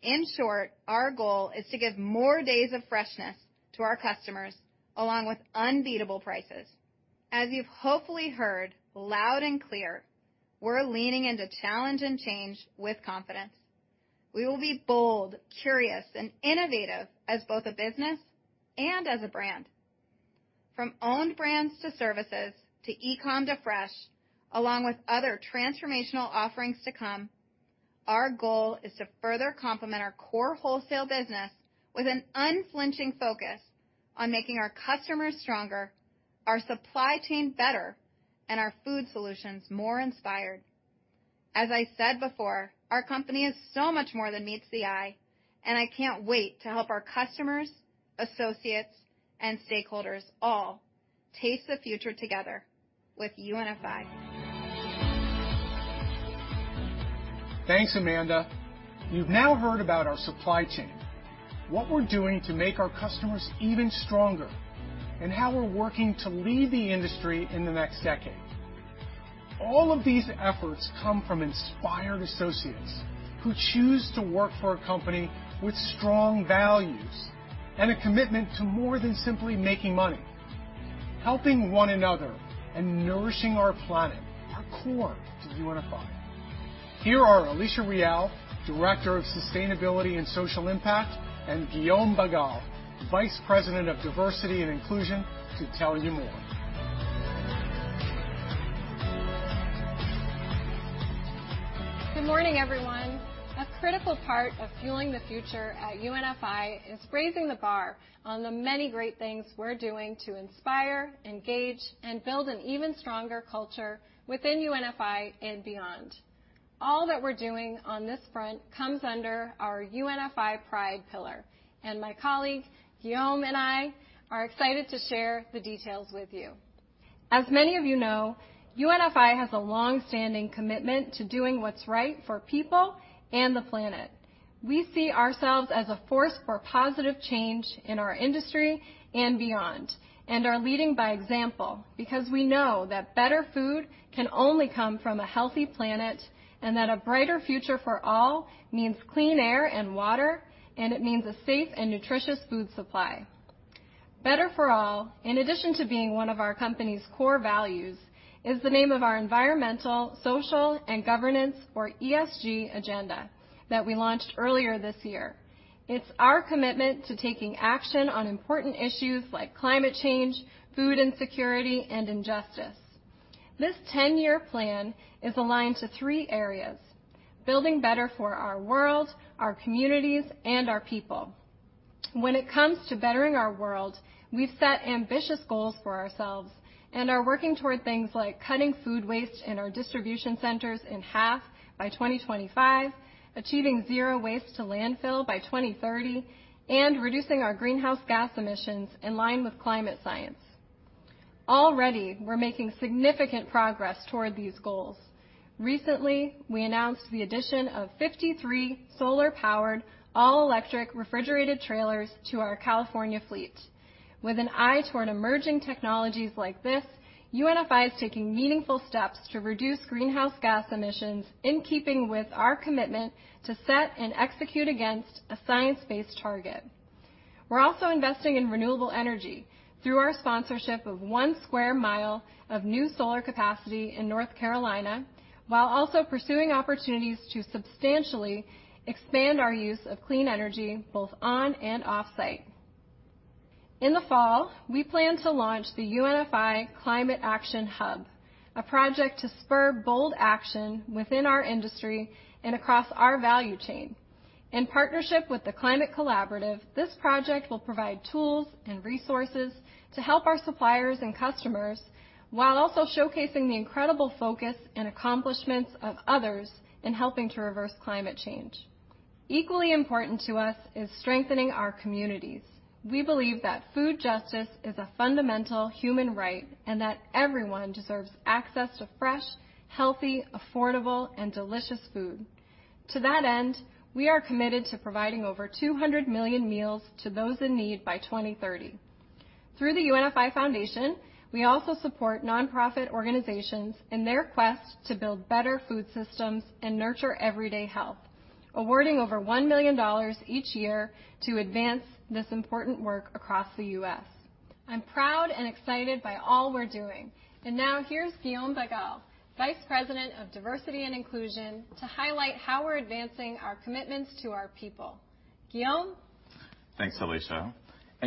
In short, our goal is to give more days of freshness to our customers along with unbeatable prices. As you've hopefully heard loud and clear, we're leaning into challenge and change with confidence. We will be bold, curious, and innovative as both a business and as a brand. From owned brands to services to e-com to fresh, along with other transformational offerings to come, our goal is to further complement our core wholesale business with an unflinching focus on making our customers stronger, our supply chain better, and our food solutions more inspired. As I said before, our company is so much more than meets the eye. I can't wait to help our customers, associates, and stakeholders all Taste the Future together with UNFI. Thanks, Amanda. You've now heard about our supply chain, what we're doing to make our customers even stronger, and how we're working to lead the industry in the next decade. All of these efforts come from inspired associates who choose to work for a company with strong values and a commitment to more than simply making money. Helping one another and nourishing our planet are core to UNFI. Here are Alisha Real, Director of Sustainability and Social Impact, and Guillaume Bagal, Vice President of Diversity and Inclusion, to tell you more. Good morning, everyone. A critical part of Fuel the Future at UNFI is raising the bar on the many great things we're doing to inspire, engage, and build an even stronger culture within UNFI and beyond. All that we're doing on this front comes under our UNFI Pride pillar. My colleague, Guillaume, and I are excited to share the details with you. As many of you know, UNFI has a longstanding commitment to doing what's right for people and the planet. We see ourselves as a force for positive change in our industry and beyond, and are leading by example because we know that better food can only come from a healthy planet and that a brighter future for all means clean air and water. It means a safe and nutritious food supply. Better for All, in addition to being one of our company's core values, is the name of our Environmental, Social, and Governance, or ESG, agenda that we launched earlier this year. It's our commitment to taking action on important issues like climate change, food insecurity, and injustice. This 10-year plan is aligned to three areas: building better for our world, our communities, and our people. When it comes to bettering our world, we've set ambitious goals for ourselves and are working toward things like cutting food waste in our Distribution Centers in half by 2025, achieving zero waste to landfill by 2030, and reducing our greenhouse gas emissions in line with climate science. Already, we're making significant progress toward these goals. Recently, we announced the addition of 53 solar-powered, all-electric refrigerated trailers to our California fleet. With an eye toward emerging technologies like this, UNFI is taking meaningful steps to reduce greenhouse gas emissions in keeping with our commitment to set and execute against a science-based target. We're also investing in renewable energy through our sponsorship of one square mile of new solar capacity in North Carolina, while also pursuing opportunities to substantially expand our use of clean energy both on and off-site. In the fall, we plan to launch the UNFI Climate Action Hub, a project to spur bold action within our industry and across our value chain. In partnership with the Climate Collaborative, this project will provide tools and resources to help our suppliers and customers while also showcasing the incredible focus and accomplishments of others in helping to reverse climate change. Equally important to us is strengthening our communities. We believe that food justice is a fundamental human right and that everyone deserves access to fresh, healthy, affordable, and delicious food. To that end, we are committed to providing over 200 million meals to those in need by 2030. Through the UNFI Foundation, we also support nonprofit organizations in their quest to build better food systems and nurture everyday health, awarding over $1 million each year to advance this important work across the U.S. I'm proud and excited by all we're doing. Now here's Guillaume Bagal, Vice President of Diversity and Inclusion, to highlight how we're advancing our commitments to our people. Guillaume? Thanks, Alisha.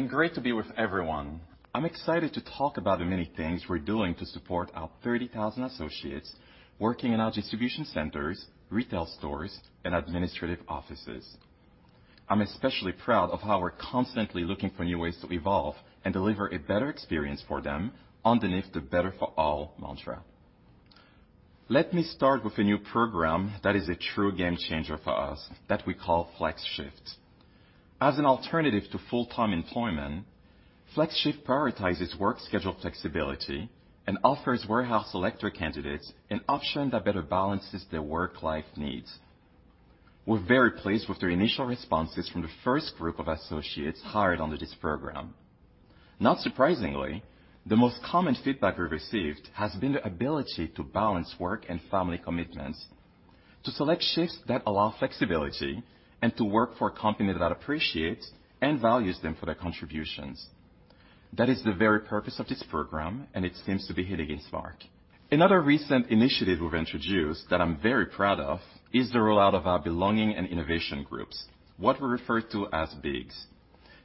Great to be with everyone. I'm excited to talk about the many things we're doing to support our 30,000 associates working in our distribution centers, retail stores, and administrative offices. I'm especially proud of how we're constantly looking for new ways to evolve and deliver a better experience for them underneath the Better for All mantra. Let me start with a new program that is a true game changer for us that we call FlexShift. As an alternative to full-time employment, FlexShift prioritizes work schedule flexibility and offers warehouse eligible candidates an option that better balances their work-life needs. We're very pleased with the initial responses from the first group of associates hired under this program. Not surprisingly, the most common feedback we've received has been the ability to balance work and family commitments, to select shifts that allow flexibility, and to work for a company that appreciates and values them for their contributions. That is the very purpose of this program, and it seems to be hitting its mark. Another recent initiative we've introduced that I'm very proud of is the rollout of our Belonging and Innovation Groups, what we refer to as BIGs.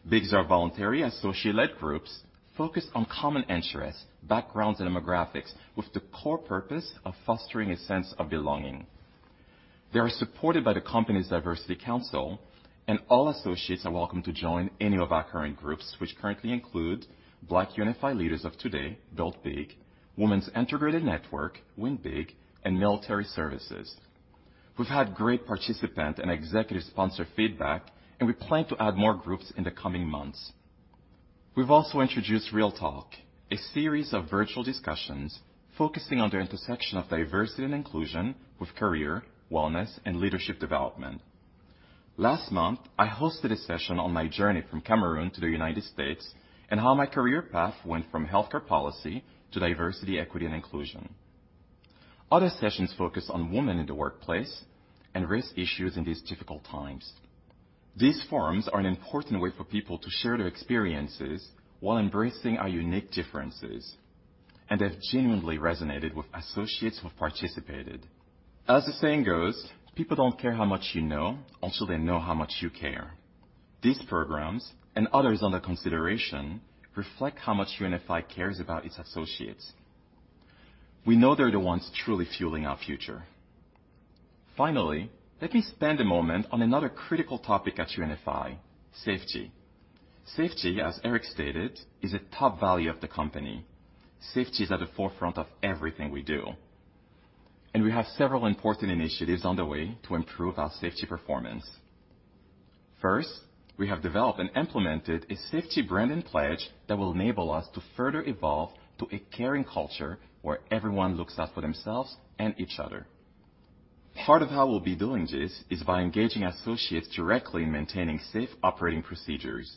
BIGs are voluntary associate-led groups focused on common interests, backgrounds, and demographics with the core purpose of fostering a sense of belonging. They are supported by the Company's Diversity Council, and all associates are welcome to join any of our current groups, which currently include Black UNFI Leaders of Today, BUILT BIG, Women's Integrated Network, WIN BIG, and Military Services. We've had great participant and executive sponsor feedback, and we plan to add more groups in the coming months. We've also introduced Real Talk, a series of virtual discussions focusing on the intersection of diversity and inclusion with career, wellness, and leadership development. Last month, I hosted a session on my journey from Cameroon to the United States and how my career path went from healthcare policy to diversity, equity, and inclusion. Other sessions focus on women in the workplace and risk issues in these difficult times. These forums are an important way for people to share their experiences while embracing our unique differences and have genuinely resonated with associates who have participated. As the saying goes, "People don't care how much you know until they know how much you care." These programs, and others under consideration, reflect how much UNFI cares about its associates. We know they're the ones truly fueling our future. Finally, let me spend a moment on another critical topic at UNFI: safety. Safety, as Eric stated, is a top value of the company. Safety is at the forefront of everything we do, and we have several important initiatives underway to improve our safety performance. First, we have developed and implemented a safety branding pledge that will enable us to further evolve to a caring culture where everyone looks out for themselves and each other. Part of how we'll be doing this is by engaging associates directly in maintaining safe operating procedures.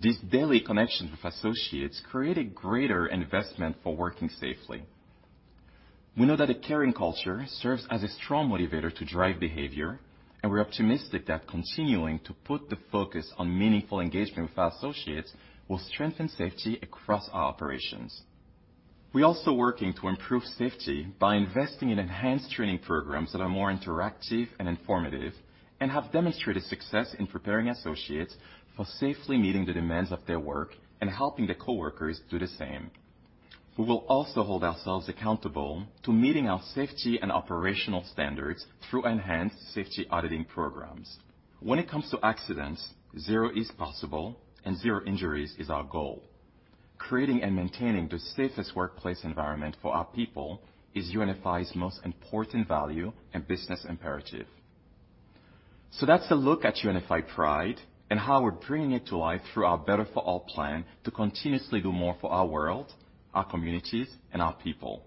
These daily connections with associates create a greater investment for working safely. We know that a caring culture serves as a strong motivator to drive behavior, and we're optimistic that continuing to put the focus on meaningful engagement with our associates will strengthen safety across our operations. We're also working to improve safety by investing in enhanced training programs that are more interactive and informative and have demonstrated success in preparing associates for safely meeting the demands of their work and helping their coworkers do the same. We will also hold ourselves accountable to meeting our safety and operational standards through enhanced safety auditing programs. When it comes to accidents, zero is possible, and zero injuries is our goal. Creating and maintaining the safest workplace environment for our people is UNFI's most important value and business imperative. That's a look at UNFI Pride and how we're bringing it to life through our Better for All to continuously do more for our world, our communities, and our people.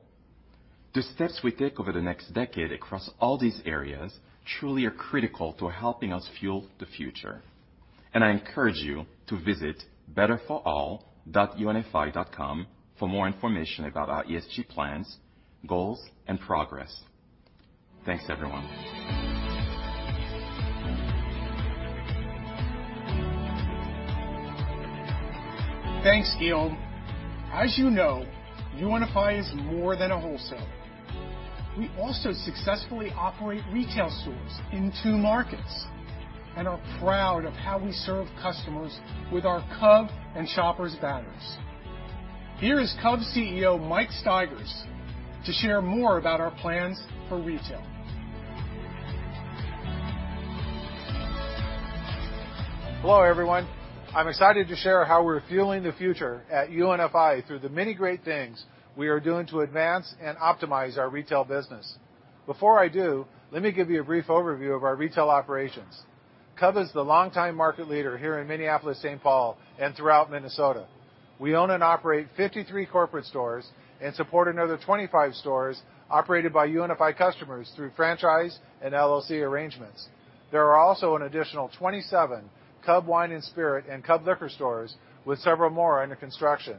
The steps we take over the next decade across all these areas truly are critical to helping us Fuel the Future. I encourage you to visit betterforall.unfi.com for more information about our ESG plans, goals, and progress. Thanks, everyone. Thanks, Guillaume. As you know, UNFI is more than a wholesaler. We also successfully operate retail stores in two markets and are proud of how we serve customers with our Cub and Shoppers banners. Here is Cub CEO Mike Stigers to share more about our plans for retail. Hello, everyone. I'm excited to share how we're Fuel the Future at UNFI through the many great things we are doing to advance and optimize our retail business. Before I do, let me give you a brief overview of our retail operations. Cub is the longtime market leader here in Minneapolis, St. Paul, and throughout Minnesota. We own and operate 53 corporate stores and support another 25 stores operated by UNFI customers through franchise and LLC arrangements. There are also an additional 27 Cub Wine & Spirit and Cub Liquor stores with several more under construction.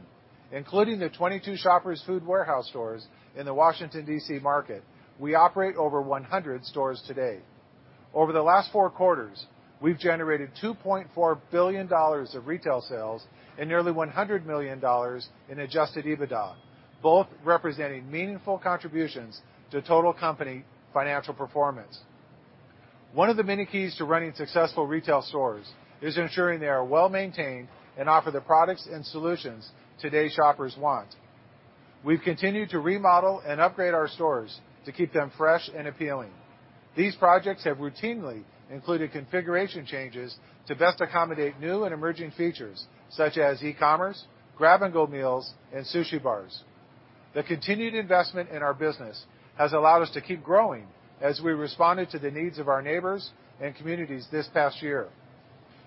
Including the 22 Shoppers Food Warehouse stores in the Washington, D.C., market, we operate over 100 stores today. Over the last four quarters, we've generated $2.4 billion of retail sales and nearly $100 million in Adjusted EBITDA, both representing meaningful contributions to total company financial performance. One of the many keys to running successful retail stores is ensuring they are well maintained and offer the products and solutions today's shoppers want. We've continued to remodel and upgrade our stores to keep them fresh and appealing. These projects have routinely included configuration changes to best accommodate new and emerging features such as e-commerce, grab-and-go meals, and sushi bars. The continued investment in our business has allowed us to keep growing as we responded to the needs of our neighbors and communities this past year.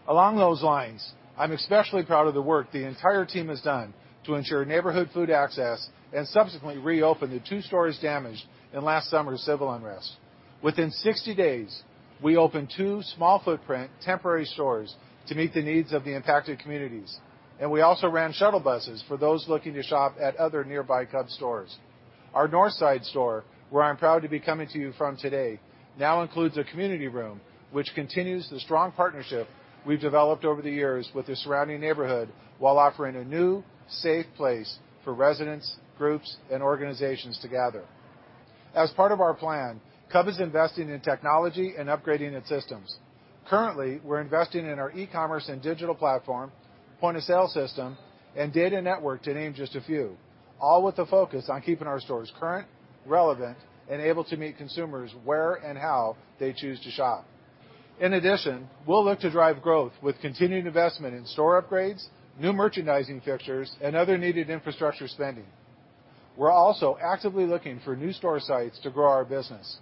Along those lines, I'm especially proud of the work the entire team has done to ensure neighborhood food access and subsequently reopen the two stores damaged in last summer's civil unrest. Within 60 days, we opened two small-footprint temporary stores to meet the needs of the impacted communities, and we also ran shuttle buses for those looking to shop at other nearby Cub stores. Our north side store, where I'm proud to be coming to you from today, now includes a community room, which continues the strong partnership we've developed over the years with the surrounding neighborhood while offering a new, safe place for residents, groups, and organizations to gather. As part of our plan, Cub is investing in technology and upgrading its systems. Currently, we're investing in our e-commerce and digital platform, point-of-sale system, and data network to name just a few, all with a focus on keeping our stores current, relevant, and able to meet consumers where and how they choose to shop. We'll look to drive growth with continued investment in store upgrades, new merchandising fixtures, and other needed infrastructure spending. We're also actively looking for new store sites to grow our business.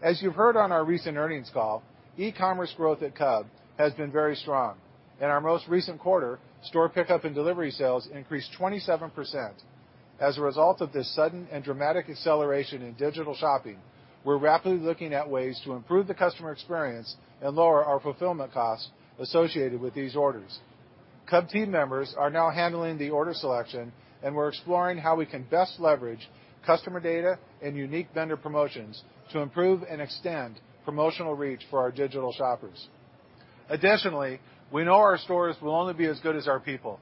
As you've heard on our recent earnings call, e-commerce growth at Cub has been very strong. In our most recent quarter, store pickup and delivery sales increased 27%. We're rapidly looking at ways to improve the customer experience and lower our fulfillment costs associated with these orders. Cub team members are now handling the order selection, we're exploring how we can best leverage customer data and unique vendor promotions to improve and extend promotional reach for our digital shoppers. We know our stores will only be as good as our people,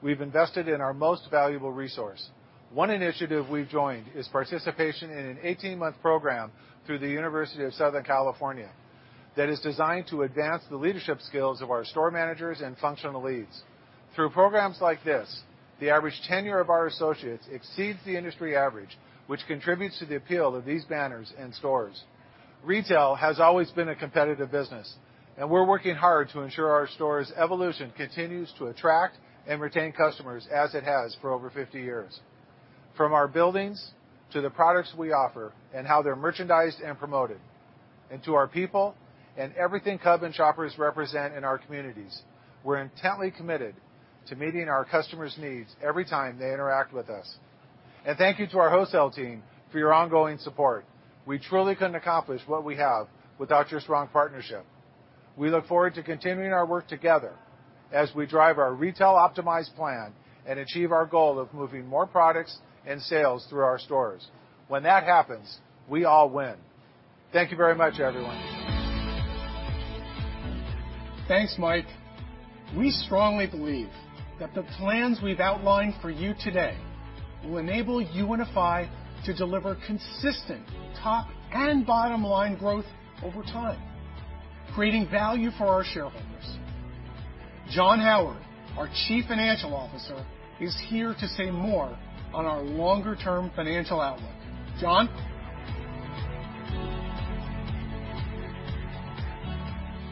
we've invested in our most valuable resource. One initiative we've joined is participation in an 18-month program through the University of Southern California that is designed to advance the leadership skills of our store managers and functional leads. Through programs like this, the average tenure of our associates exceeds the industry average, which contributes to the appeal of these banners and stores. Retail has always been a competitive business, and we're working hard to ensure our store's evolution continues to attract and retain customers as it has for over 50 years. From our buildings to the products we offer and how they're merchandised and promoted, and to our people and everything Cub and Shoppers represent in our communities, we're intently committed to meeting our customers' needs every time they interact with us. Thank you to our wholesale team for your ongoing support. We truly couldn't accomplish what we have without your strong partnership. We look forward to continuing our work together as we drive our Retail Optimized plan and achieve our goal of moving more products and sales through our stores. When that happens, we all win. Thank you very much, everyone. Thanks, Mike. We strongly believe that the plans we've outlined for you today will enable UNFI to deliver consistent top and bottom-line growth over time, creating value for our shareholders. John Howard, our Chief Financial Officer, is here to say more on our longer-term financial outlook. John?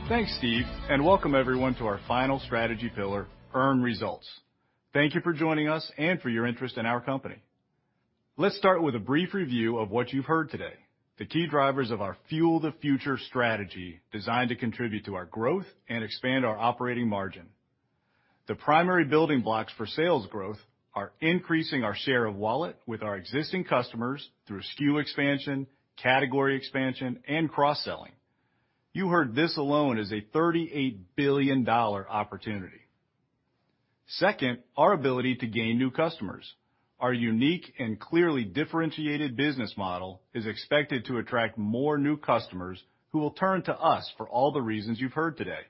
Thanks, Steve, and welcome, everyone, to our final strategy pillar, Earn Results. Thank you for joining us and for your interest in our company. Let's start with a brief review of what you've heard today, the key drivers of our Fuel the Future strategy designed to contribute to our growth and expand our operating margin. The primary building blocks for sales growth are increasing our share of wallet with our existing customers through SKU expansion, category expansion, and cross-selling. You heard this alone is a $38 billion opportunity. Second, our ability to gain new customers. Our unique and clearly differentiated business model is expected to attract more new customers who will turn to us for all the reasons you've heard today.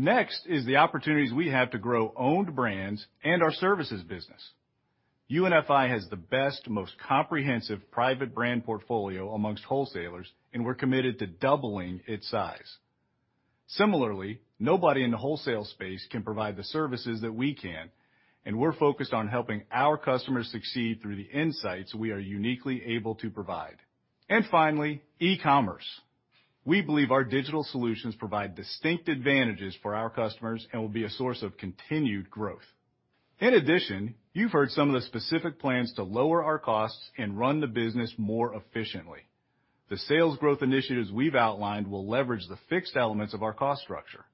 Next is the opportunities we have to grow owned brands and our services business. UNFI has the best, most comprehensive private brand portfolio amongst wholesalers, and we're committed to doubling its size. Similarly, nobody in the wholesale space can provide the services that we can, and we're focused on helping our customers succeed through the insights we are uniquely able to provide. Finally, e-commerce. We believe our digital solutions provide distinct advantages for our customers and will be a source of continued growth. In addition, you've heard some of the specific plans to lower our costs and run the business more efficiently. The sales growth initiatives we've outlined will leverage the fixed elements of our cost structure.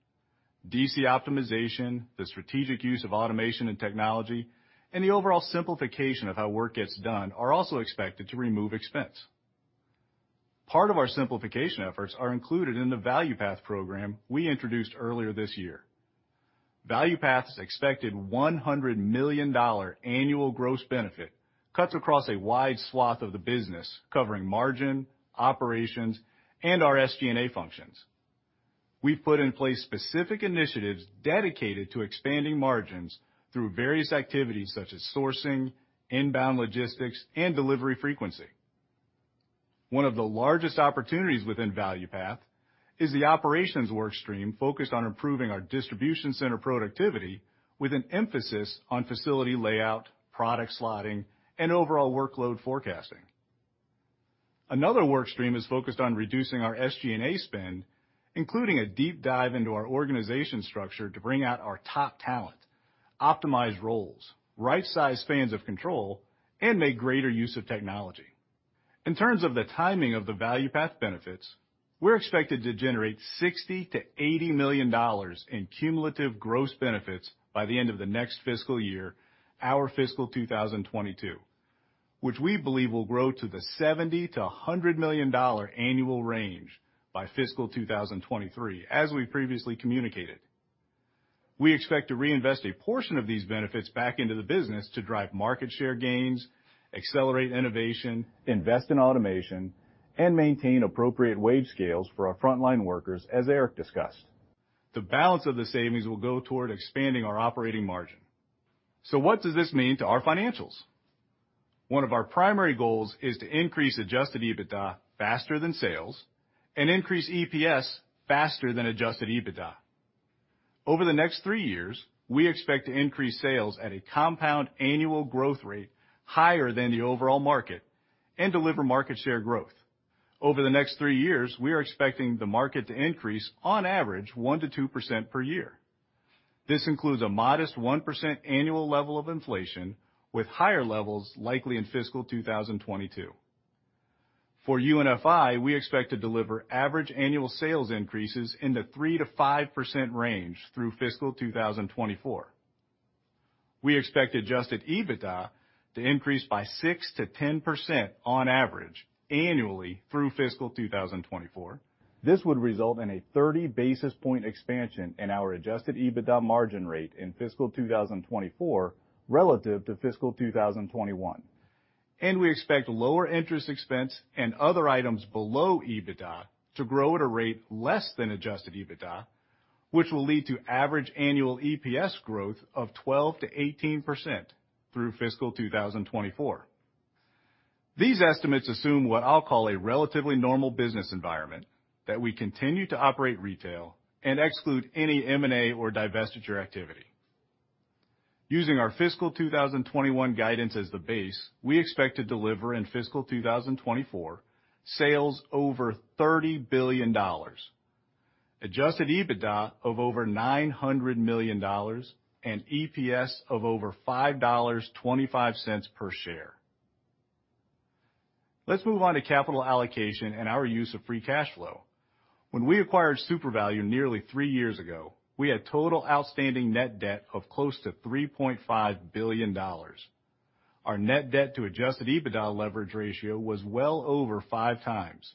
DC optimization, the strategic use of automation and technology, and the overall simplification of how work gets done are also expected to remove expense. Part of our simplification efforts are included in the Value Path program we introduced earlier this year. Value Path's expected $100 million annual gross benefit cuts across a wide swath of the business, covering margin, operations, and our SG&A functions. We've put in place specific initiatives dedicated to expanding margins through various activities such as sourcing, inbound logistics, and delivery frequency. One of the largest opportunities within Value Path is the operations workstream focused on improving our distribution center productivity with an emphasis on facility layout, product slotting, and overall workload forecasting. Another workstream is focused on reducing our SG&A spend, including a deep dive into our organization structure to bring out our top talent, optimize roles, right-size spans of control, and make greater use of technology. In terms of the timing of the Value Path benefits, we're expected to generate $60 million-$80 million in cumulative gross benefits by the end of the next fiscal year, our fiscal 2022, which we believe will grow to the $70 million-$100 million annual range by fiscal 2023, as we've previously communicated. We expect to reinvest a portion of these benefits back into the business to drive market share gains, accelerate innovation, invest in automation, and maintain appropriate wage scales for our frontline workers, as Eric discussed. The balance of the savings will go toward expanding our operating margin. What does this mean to our financials? One of our primary goals is to increase Adjusted EBITDA faster than sales and increase EPS faster than Adjusted EBITDA. Over the next three years, we expect to increase sales at a compound annual growth rate higher than the overall market and deliver market share growth. Over the next three years, we are expecting the market to increase, on average, 1%-2% per year. This includes a modest 1% annual level of inflation, with higher levels likely in fiscal 2022. For UNFI, we expect to deliver average annual sales increases in the 3%-5% range through fiscal 2024. We expect Adjusted EBITDA to increase by 6%-10%, on average, annually through fiscal 2024. This would result in a 30 basis point expansion in our Adjusted EBITDA margin rate in fiscal 2024 relative to fiscal 2021. We expect lower interest expense and other items below EBITDA to grow at a rate less than Adjusted EBITDA, which will lead to average annual EPS growth of 12%-18% through FY 2024. These estimates assume what I'll call a relatively normal business environment, that we continue to operate retail and exclude any M&A or divestiture activity. Using our FY 2021 guidance as the base, we expect to deliver in FY 2024 sales over $30 billion, Adjusted EBITDA of over $900 million, and EPS of over $5.25 per share. Let's move on to capital allocation and our use of free cash flow. When we acquired Supervalu nearly three years ago, we had total outstanding net debt of close to $3.5 billion. Our net debt-to-Adjusted-EBITDA leverage ratio was well over five times.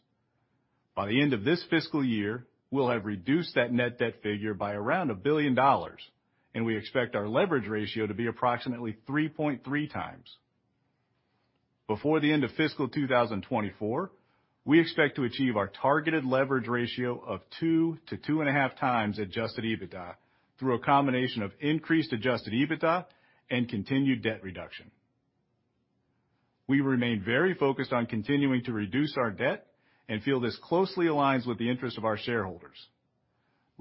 By the end of this fiscal year, we'll have reduced that net debt figure by around $1 billion, and we expect our leverage ratio to be approximately 3.3 times. Before the end of FY 2024, we expect to achieve our targeted leverage ratio of 2 to 2.5 times Adjusted EBITDA through a combination of increased Adjusted EBITDA and continued debt reduction. We remain very focused on continuing to reduce our debt and feel this closely aligns with the interests of our shareholders.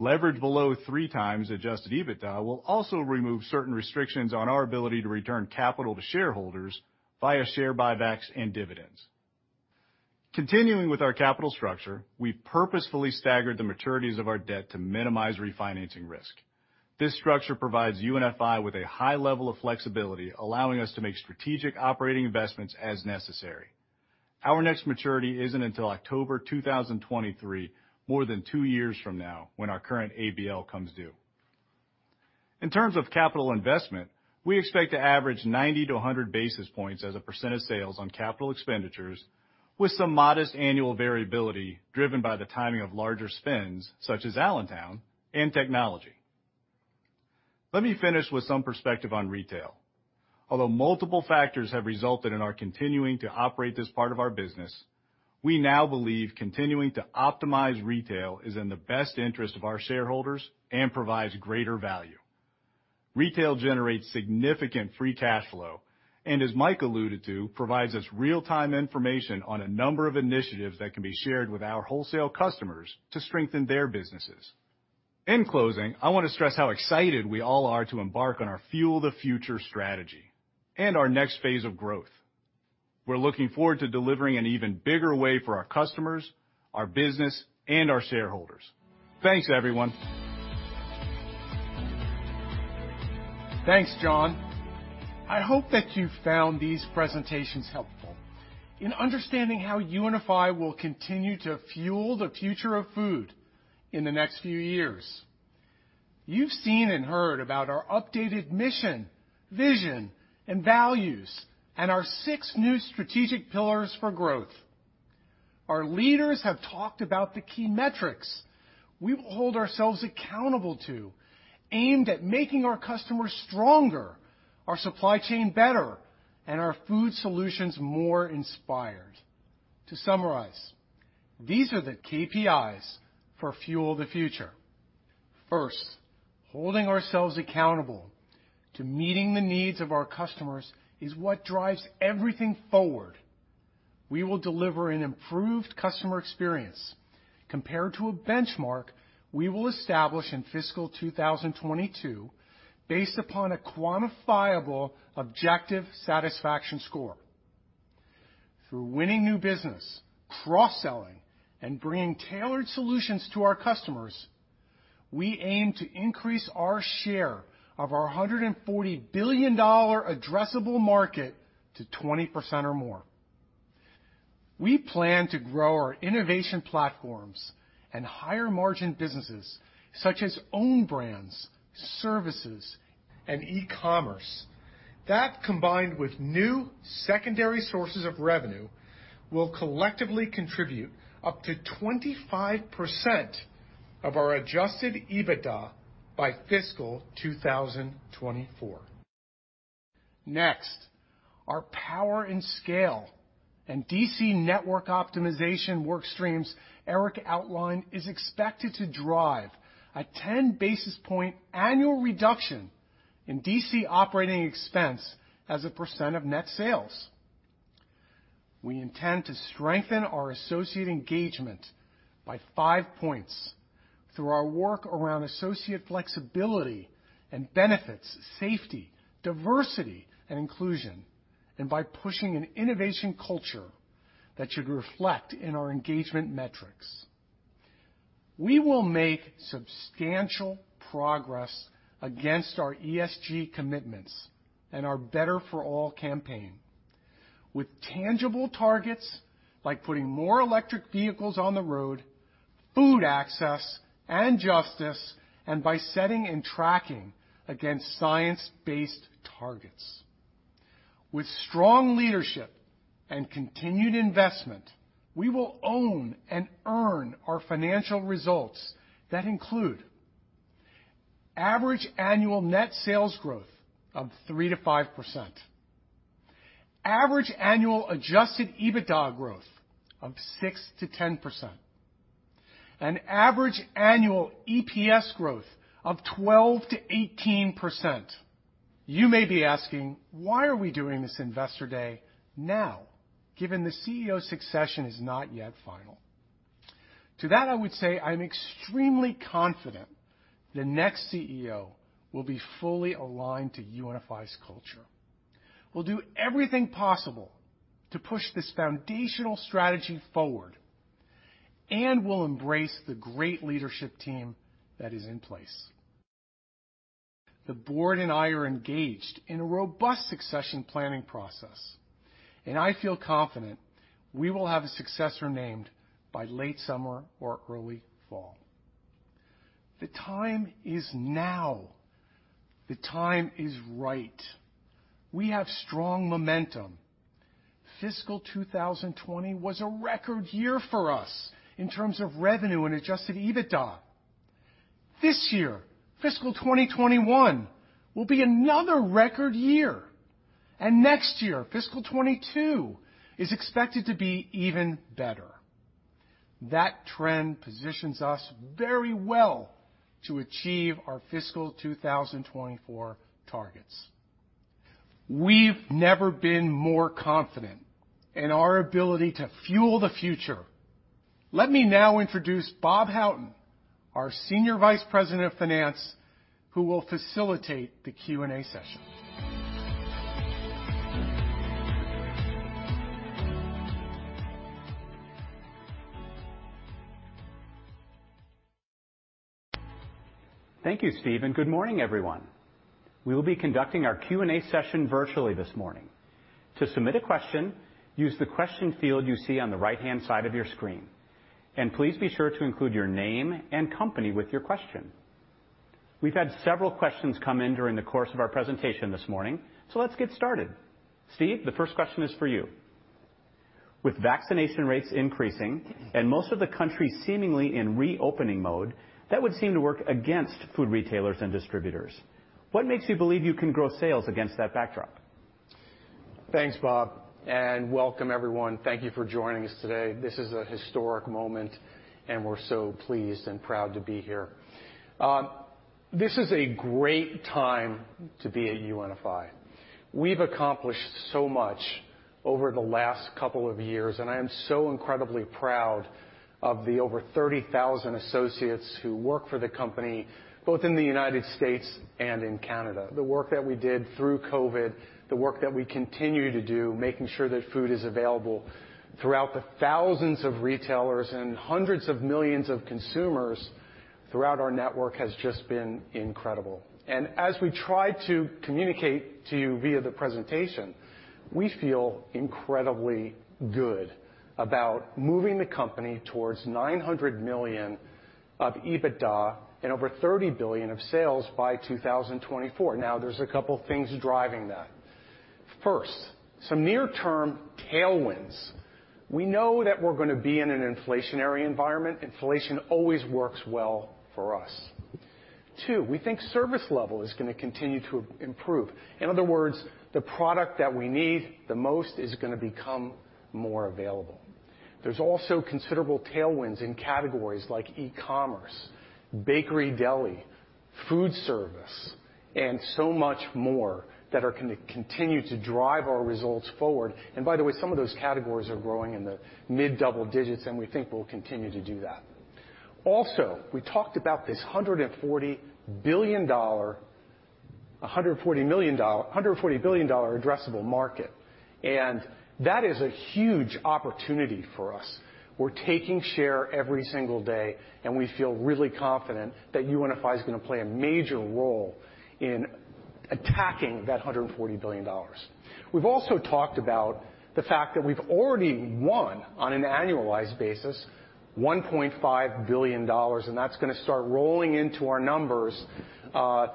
Leverage below 3 times Adjusted EBITDA will also remove certain restrictions on our ability to return capital to shareholders via share buybacks and dividends. Continuing with our capital structure, we've purposefully staggered the maturities of our debt to minimize refinancing risk. This structure provides UNFI with a high level of flexibility, allowing us to make strategic operating investments as necessary. Our next maturity isn't until October 2023, more than two years from now, when our current ABL comes due. In terms of capital investment, we expect to average 90-100 basis points as a % of sales on capital expenditures, with some modest annual variability driven by the timing of larger spends such as Allentown and technology. Let me finish with some perspective on retail. Although multiple factors have resulted in our continuing to operate this part of our business, we now believe continuing to optimize retail is in the best interest of our shareholders and provides greater value. Retail generates significant free cash flow and, as Mike alluded to, provides us real-time information on a number of initiatives that can be shared with our wholesale customers to strengthen their businesses. In closing, I want to stress how excited we all are to embark on our Fuel the Future strategy and our next phase of growth. We're looking forward to delivering an even bigger way for our customers, our business, and our shareholders. Thanks, everyone. Thanks, John. I hope that you've found these presentations helpful in understanding how UNFI will continue to Fuel the Future of food in the next few years. You've seen and heard about our updated mission, vision, and values, and our six new strategic pillars for growth. Our leaders have talked about the key metrics we will hold ourselves accountable to, aimed at making our customers stronger, our supply chain better, and our food solutions more inspired. To summarize, these are the KPIs for Fuel the Future. First, holding ourselves accountable to meeting the needs of our customers is what drives everything forward. We will deliver an improved customer experience compared to a benchmark we will establish in fiscal 2022 based upon a quantifiable objective satisfaction score. Through winning new business, cross-selling, and bringing tailored solutions to our customers, we aim to increase our share of our $140 billion addressable market to 20% or more. We plan to grow our innovation platforms and higher-margin businesses such as owned brands, services, and e-commerce that, combined with new secondary sources of revenue, will collectively contribute up to 25% of our Adjusted EBITDA by FY 2024. Next, our power and scale and DC network optimization workstreams Eric outlined is expected to drive a 10 basis point annual reduction in DC operating expense as a % of net sales. We intend to strengthen our associate engagement by five points through our work around associate flexibility and benefits, safety, diversity, and inclusion, and by pushing an innovation culture that should reflect in our engagement metrics. We will make substantial progress against our ESG commitments and our Better For All campaign with tangible targets like putting more electric vehicles on the road, food access and justice, and by setting and tracking against science-based targets. With strong leadership and continued investment, we will own and earn our financial results that include average annual net sales growth of 3%-5%, average annual Adjusted EBITDA growth of 6%-10%, and average annual EPS growth of 12%-18%. You may be asking, why are we doing this Investor Day now, given the CEO succession is not yet final? To that, I would say I'm extremely confident the next CEO will be fully aligned to UNFI's culture. We'll do everything possible to push this foundational strategy forward, we'll embrace the great leadership team that is in place. The board and I are engaged in a robust succession planning process, and I feel confident we will have a successor named by late summer or early fall. The time is now. The time is right. We have strong momentum. Fiscal 2020 was a record year for us in terms of revenue and Adjusted EBITDA. This year, fiscal 2021, will be another record year, and next year, fiscal 2022, is expected to be even better. That trend positions us very well to achieve our fiscal 2024 targets. We've never been more confident in our ability to Fuel the Future. Let me now introduce Bob Houghton, our Senior Vice President of Finance, who will facilitate the Q&A session. Thank you, Steve, and good morning, everyone. We will be conducting our Q&A session virtually this morning. To submit a question, use the question field you see on the right-hand side of your screen, and please be sure to include your name and company with your question. We've had several questions come in during the course of our presentation this morning, so let's get started. Steve, the first question is for you. With vaccination rates increasing and most of the country seemingly in reopening mode, that would seem to work against food retailers and distributors. What makes you believe you can grow sales against that backdrop? Thanks, Bob, and welcome, everyone. Thank you for joining us today. This is a historic moment, and we're so pleased and proud to be here. This is a great time to be at UNFI. We've accomplished so much over the last couple of years, and I am so incredibly proud of the over 30,000 associates who work for the company, both in the United States and in Canada. The work that we did through COVID, the work that we continue to do, making sure that food is available throughout the thousands of retailers and hundreds of millions of consumers throughout our network has just been incredible. As we tried to communicate to you via the presentation, we feel incredibly good about moving the company towards $900 million of EBITDA and over $30 billion of sales by 2024. Now, there's a couple of things driving that. First, some near-term tailwinds. We know that we're going to be in an inflationary environment. Inflation always works well for us. We think service level is going to continue to improve. In other words, the product that we need the most is going to become more available. There's also considerable tailwinds in categories like e-commerce, bakery, deli, food service, and so much more that are going to continue to drive our results forward. By the way, some of those categories are growing in the mid-double digits, and we think we'll continue to do that. We talked about this $140 billion addressable market, and that is a huge opportunity for us. We're taking share every single day, and we feel really confident that UNFI is going to play a major role in attacking that $140 billion. We've also talked about the fact that we've already won on an annualized basis, $1.5 billion, and that's going to start rolling into our numbers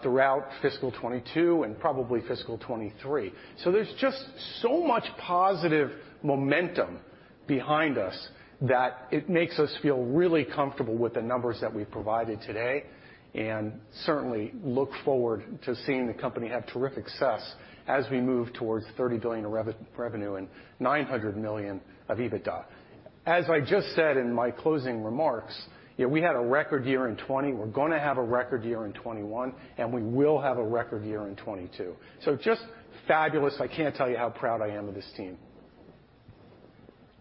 throughout FY 2022 and probably FY 2023. There's just so much positive momentum behind us that it makes us feel really comfortable with the numbers that we've provided today and certainly look forward to seeing the company have terrific success as we move towards $30 billion of revenue and $900 million of EBITDA. I just said in my closing remarks, we had a record year in 2020. We're going to have a record year in 2021, and we will have a record year in 2022. Just fabulous. I can't tell you how proud I am of this team.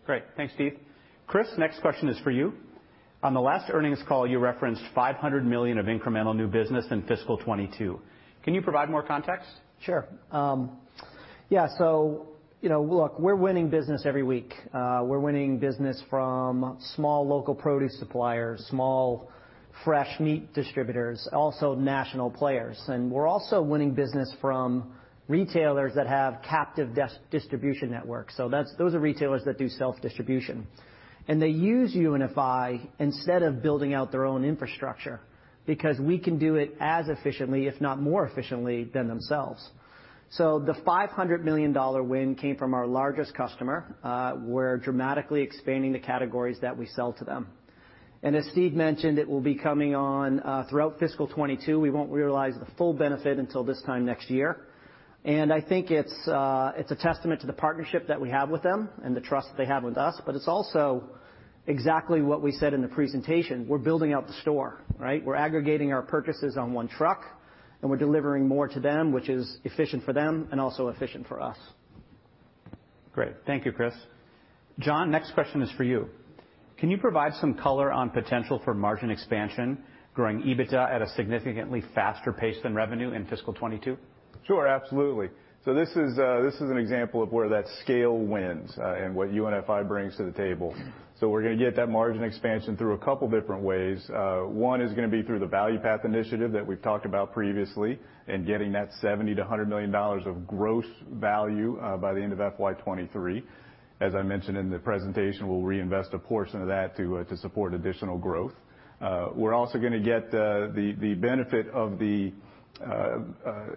Great. Thanks, Steve. Chris, next question is for you. On the last earnings call, you referenced $500 million of incremental new business in FY 2022. Can you provide more context? Sure. Yeah. Look, we're winning business every week. We're winning business from small local produce suppliers, small fresh meat distributors, also national players. We're also winning business from retailers that have captive distribution networks. Those are retailers that do self-distribution. They use UNFI instead of building out their own infrastructure because we can do it as efficiently, if not more efficiently, than themselves. The $500 million win came from our largest customer. We're dramatically expanding the categories that we sell to them. As Steve mentioned, it will be coming on throughout fiscal 2022. We won't realize the full benefit until this time next year. I think it's a testament to the partnership that we have with them and the trust that they have with us. It's also exactly what we said in the presentation. We're Building Out the Store, right? We're aggregating our purchases on one truck, and we're delivering more to them, which is efficient for them and also efficient for us. Great. Thank you, Chris. John, next question is for you. Can you provide some color on potential for margin expansion, growing EBITDA at a significantly faster pace than revenue in FY 2022? Sure. Absolutely. This is an example of where that scale wins and what UNFI brings to the table. We're going to get that margin expansion through a couple of different ways. One is going to be through the Value Path Initiative that we've talked about previously and getting that $70 million-$100 million of gross value by the end of FY 2023. As I mentioned in the presentation, we'll reinvest a portion of that to support additional growth. We're also going to get the benefit of the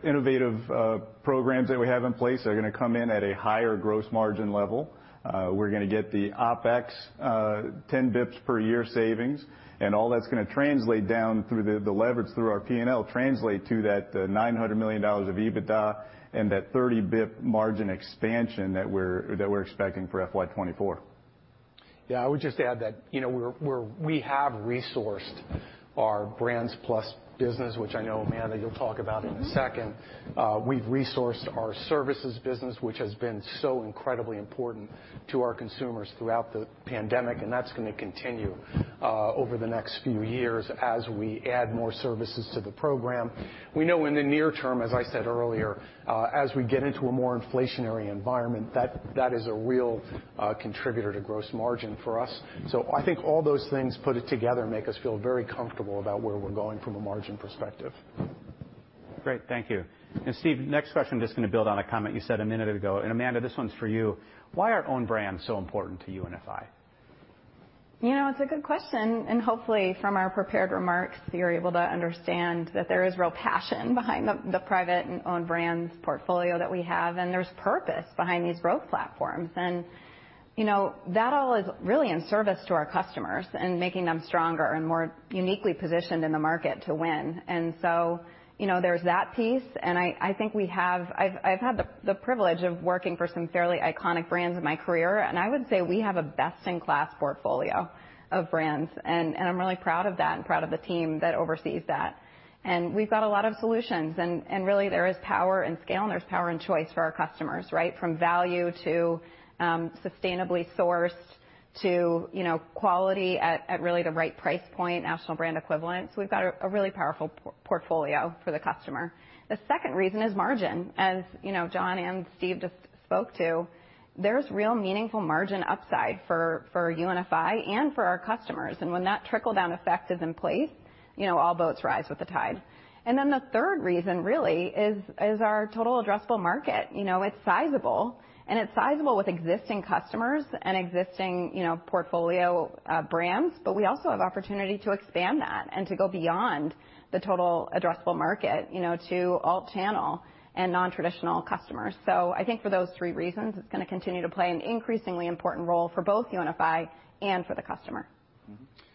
innovative programs that we have in place that are going to come in at a higher gross margin level. We're going to get the OPEX, 10 basis points per year savings, and all that's going to translate down through the leverage through our P&L translate to that $900 million of EBITDA and that 30 basis points margin expansion that we're expecting for FY 2024. Yeah. I would just add that we have resourced our Brands+ business, which I know, Amanda, you'll talk about in a second. We've resourced our services business, which has been so incredibly important to our consumers throughout the pandemic, and that's going to continue over the next few years as we add more services to the program. We know in the near term, as I said earlier, as we get into a more inflationary environment, that is a real contributor to gross margin for us. I think all those things put it together make us feel very comfortable about where we're going from a margin perspective. Great. Thank you. Steve, next question is just going to build on a comment you said a minute ago. Amanda, this one's for you. Why are owned brands so important to UNFI? It's a good question. Hopefully, from our prepared remarks, you're able to understand that there is real passion behind the private and owned brands portfolio that we have, and there's purpose behind these growth platforms. That all is really in service to our customers and making them stronger and more uniquely positioned in the market to win. So there's that piece. I think I've had the privilege of working for some fairly iconic brands in my career, and I would say we have a best-in-class portfolio of brands. I'm really proud of that and proud of the team that oversees that. We've got a lot of solutions. Really, there is power and scale, and there's power and choice for our customers, right, from value to sustainably sourced to quality at really the right price point, national brand equivalent. We've got a really powerful portfolio for the customer. The second reason is margin. As John and Steve just spoke to, there's real meaningful margin upside for UNFI and for our customers. When that trickle-down effect is in place, all boats rise with the tide. The third reason, really, is our total addressable market. It's sizable, and it's sizable with existing customers and existing portfolio brands, but we also have opportunity to expand that and to go beyond the total addressable market to alt-channel and non-traditional customers. I think for those three reasons, it's going to continue to play an increasingly important role for both UNFI and for the customer.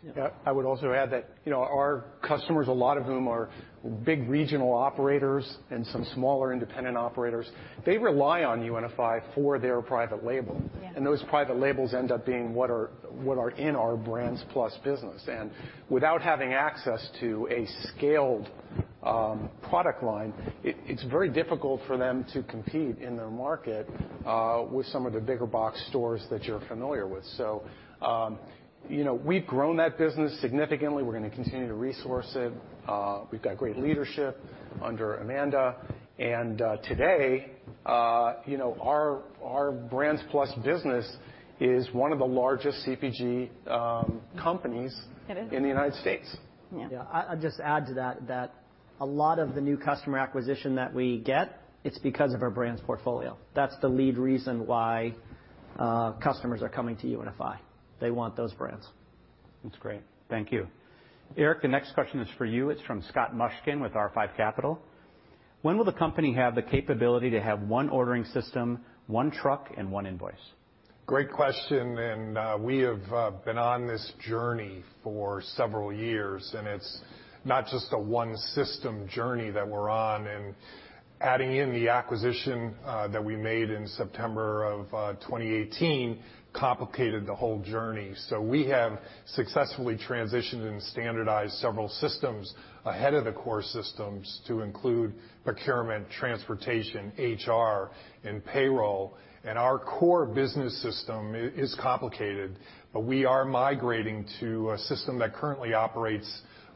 Yeah. I would also add that our customers, a lot of whom are big regional operators and some smaller independent operators, they rely on UNFI for their private label. Those private labels end up being what are in our Brands+ business. Without having access to a scaled product line, it's very difficult for them to compete in their market with some of the bigger box stores that you're familiar with. We've grown that business significantly. We're going to continue to resource it. We've got great leadership under Amanda. Today, our Brands+ business is one of the largest CPG companies in the United States. Yeah. I'd just add to that that a lot of the new customer acquisition that we get, it's because of our brands portfolio. That's the lead reason why customers are coming to UNFI. They want those brands. That's great. Thank you. Eric, the next question is for you. It's from Scott Mushkin with R5 Capital. When will the company have the capability to have one ordering system, one truck, and one invoice? Great question. We have been on this journey for several years, and it's not just a one-system journey that we're on. Adding in the acquisition that we made in September of 2018 complicated the whole journey. We have successfully transitioned and standardized several systems ahead of the core systems to include procurement, transportation, HR, and payroll. Our core business system is complicated, but we are migrating to a system that currently operates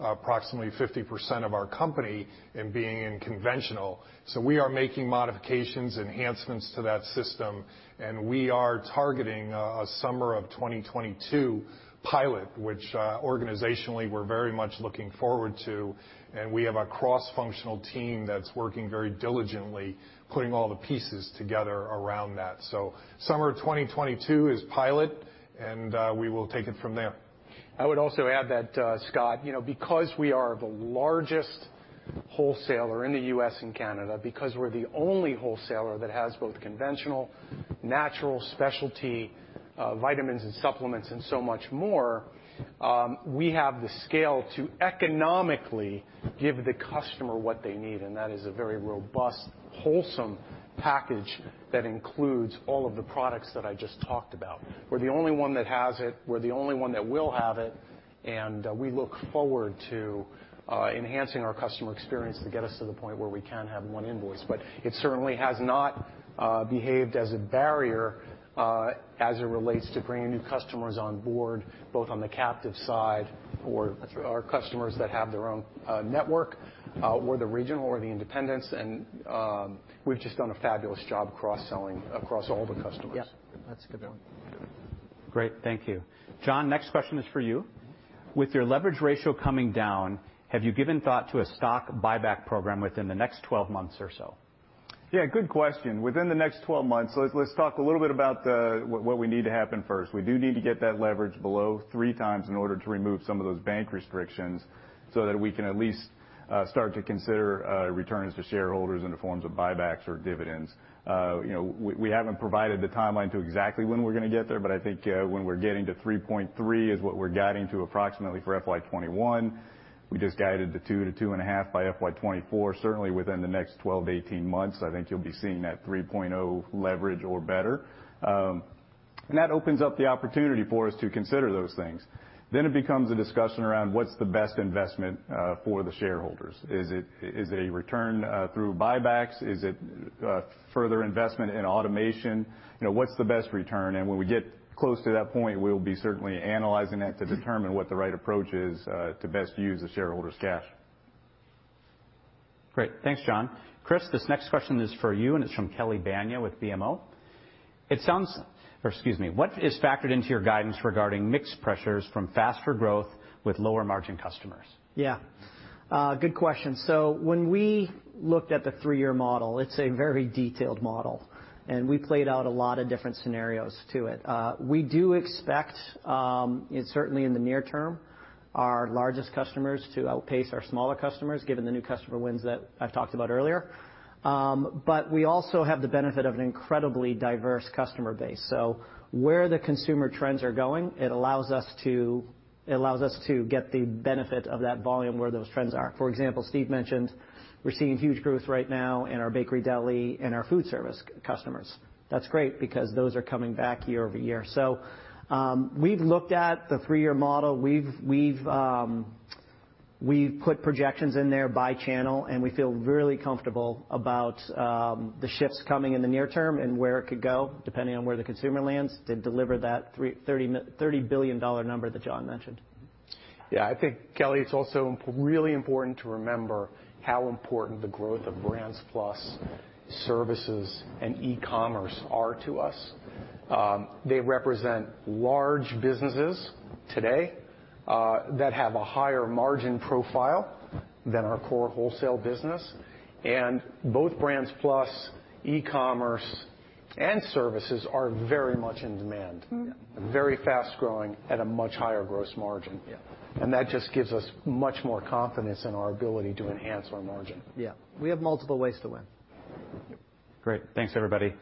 approximately 50% of our company and being in conventional. We are making modifications, enhancements to that system, and we are targeting a summer of 2022 pilot, which organizationally we're very much looking forward to. We have a cross-functional team that's working very diligently, putting all the pieces together around that. Summer of 2022 is pilot, and we will take it from there. I would also add that, Scott, because we are the largest wholesaler in the U.S. and Canada, because we're the only wholesaler that has both conventional, natural, specialty, vitamins and supplements, and so much more, we have the scale to economically give the customer what they need. That is a very robust, wholesome package that includes all of the products that I just talked about. We're the only one that has it. We're the only one that will have it. We look forward to enhancing our customer experience to get us to the point where we can have one invoice. It certainly has not behaved as a barrier as it relates to bringing new customers on board, both on the captive side or our customers that have their own network, or the regional or the independents. We've just done a fabulous job cross-selling across all the customers. Yeah. That's a good one. Great. Thank you. John, next question is for you. With your leverage ratio coming down, have you given thought to a stock buyback program within the next 12 months or so? Yeah. Good question. Within the next 12 months, let's talk a little bit about what we need to happen first. We do need to get that leverage below 3 times in order to remove some of those bank restrictions so that we can at least start to consider returns to shareholders in the forms of buybacks or dividends. We haven't provided the timeline to exactly when we're going to get there. I think when we're getting to 3.3 is what we're guiding to approximately for FY '21. We just guided to 2-2.5 by FY '24. Certainly, within the next 12, 18 months, I think you'll be seeing that 3.0 leverage or better. That opens up the opportunity for us to consider those things. It becomes a discussion around what's the best investment for the shareholders. Is it a return through buybacks? Is it further investment in automation? What's the best return? When we get close to that point, we'll be certainly analyzing that to determine what the right approach is to best use the shareholders' cash. Great. Thanks, John. Chris, this next question is for you, and it's from Kelly Bania with BMO. excuse me. What is factored into your guidance regarding mix pressures from faster growth with lower margin customers? Yeah. Good question. When we looked at the 3-year model, it's a very detailed model, and we played out a lot of different scenarios to it. We do expect, certainly in the near term, our largest customers to outpace our smaller customers given the new customer wins that I've talked about earlier. We also have the benefit of an incredibly diverse customer base. Where the consumer trends are going, it allows us to get the benefit of that volume where those trends are. For example, Steve mentioned we're seeing huge growth right now in our bakery, deli, and our food service customers. That's great because those are coming back year-over-year. We've looked at the 3-year model. We've put projections in there by channel. We feel really comfortable about the shifts coming in the near term and where it could go depending on where the consumer lands to deliver that $30 billion number that John mentioned. Yeah. I think, Kelly, it is also really important to remember how important the growth of Brands+ services and e-commerce are to us. They represent large businesses today that have a higher margin profile than our core wholesale business. Both Brands+, e-commerce, and services are very much in demand, very fast-growing at a much higher gross margin. That just gives us much more confidence in our ability to enhance our margin. Yeah. We have multiple ways to win. Great. Thanks, everybody.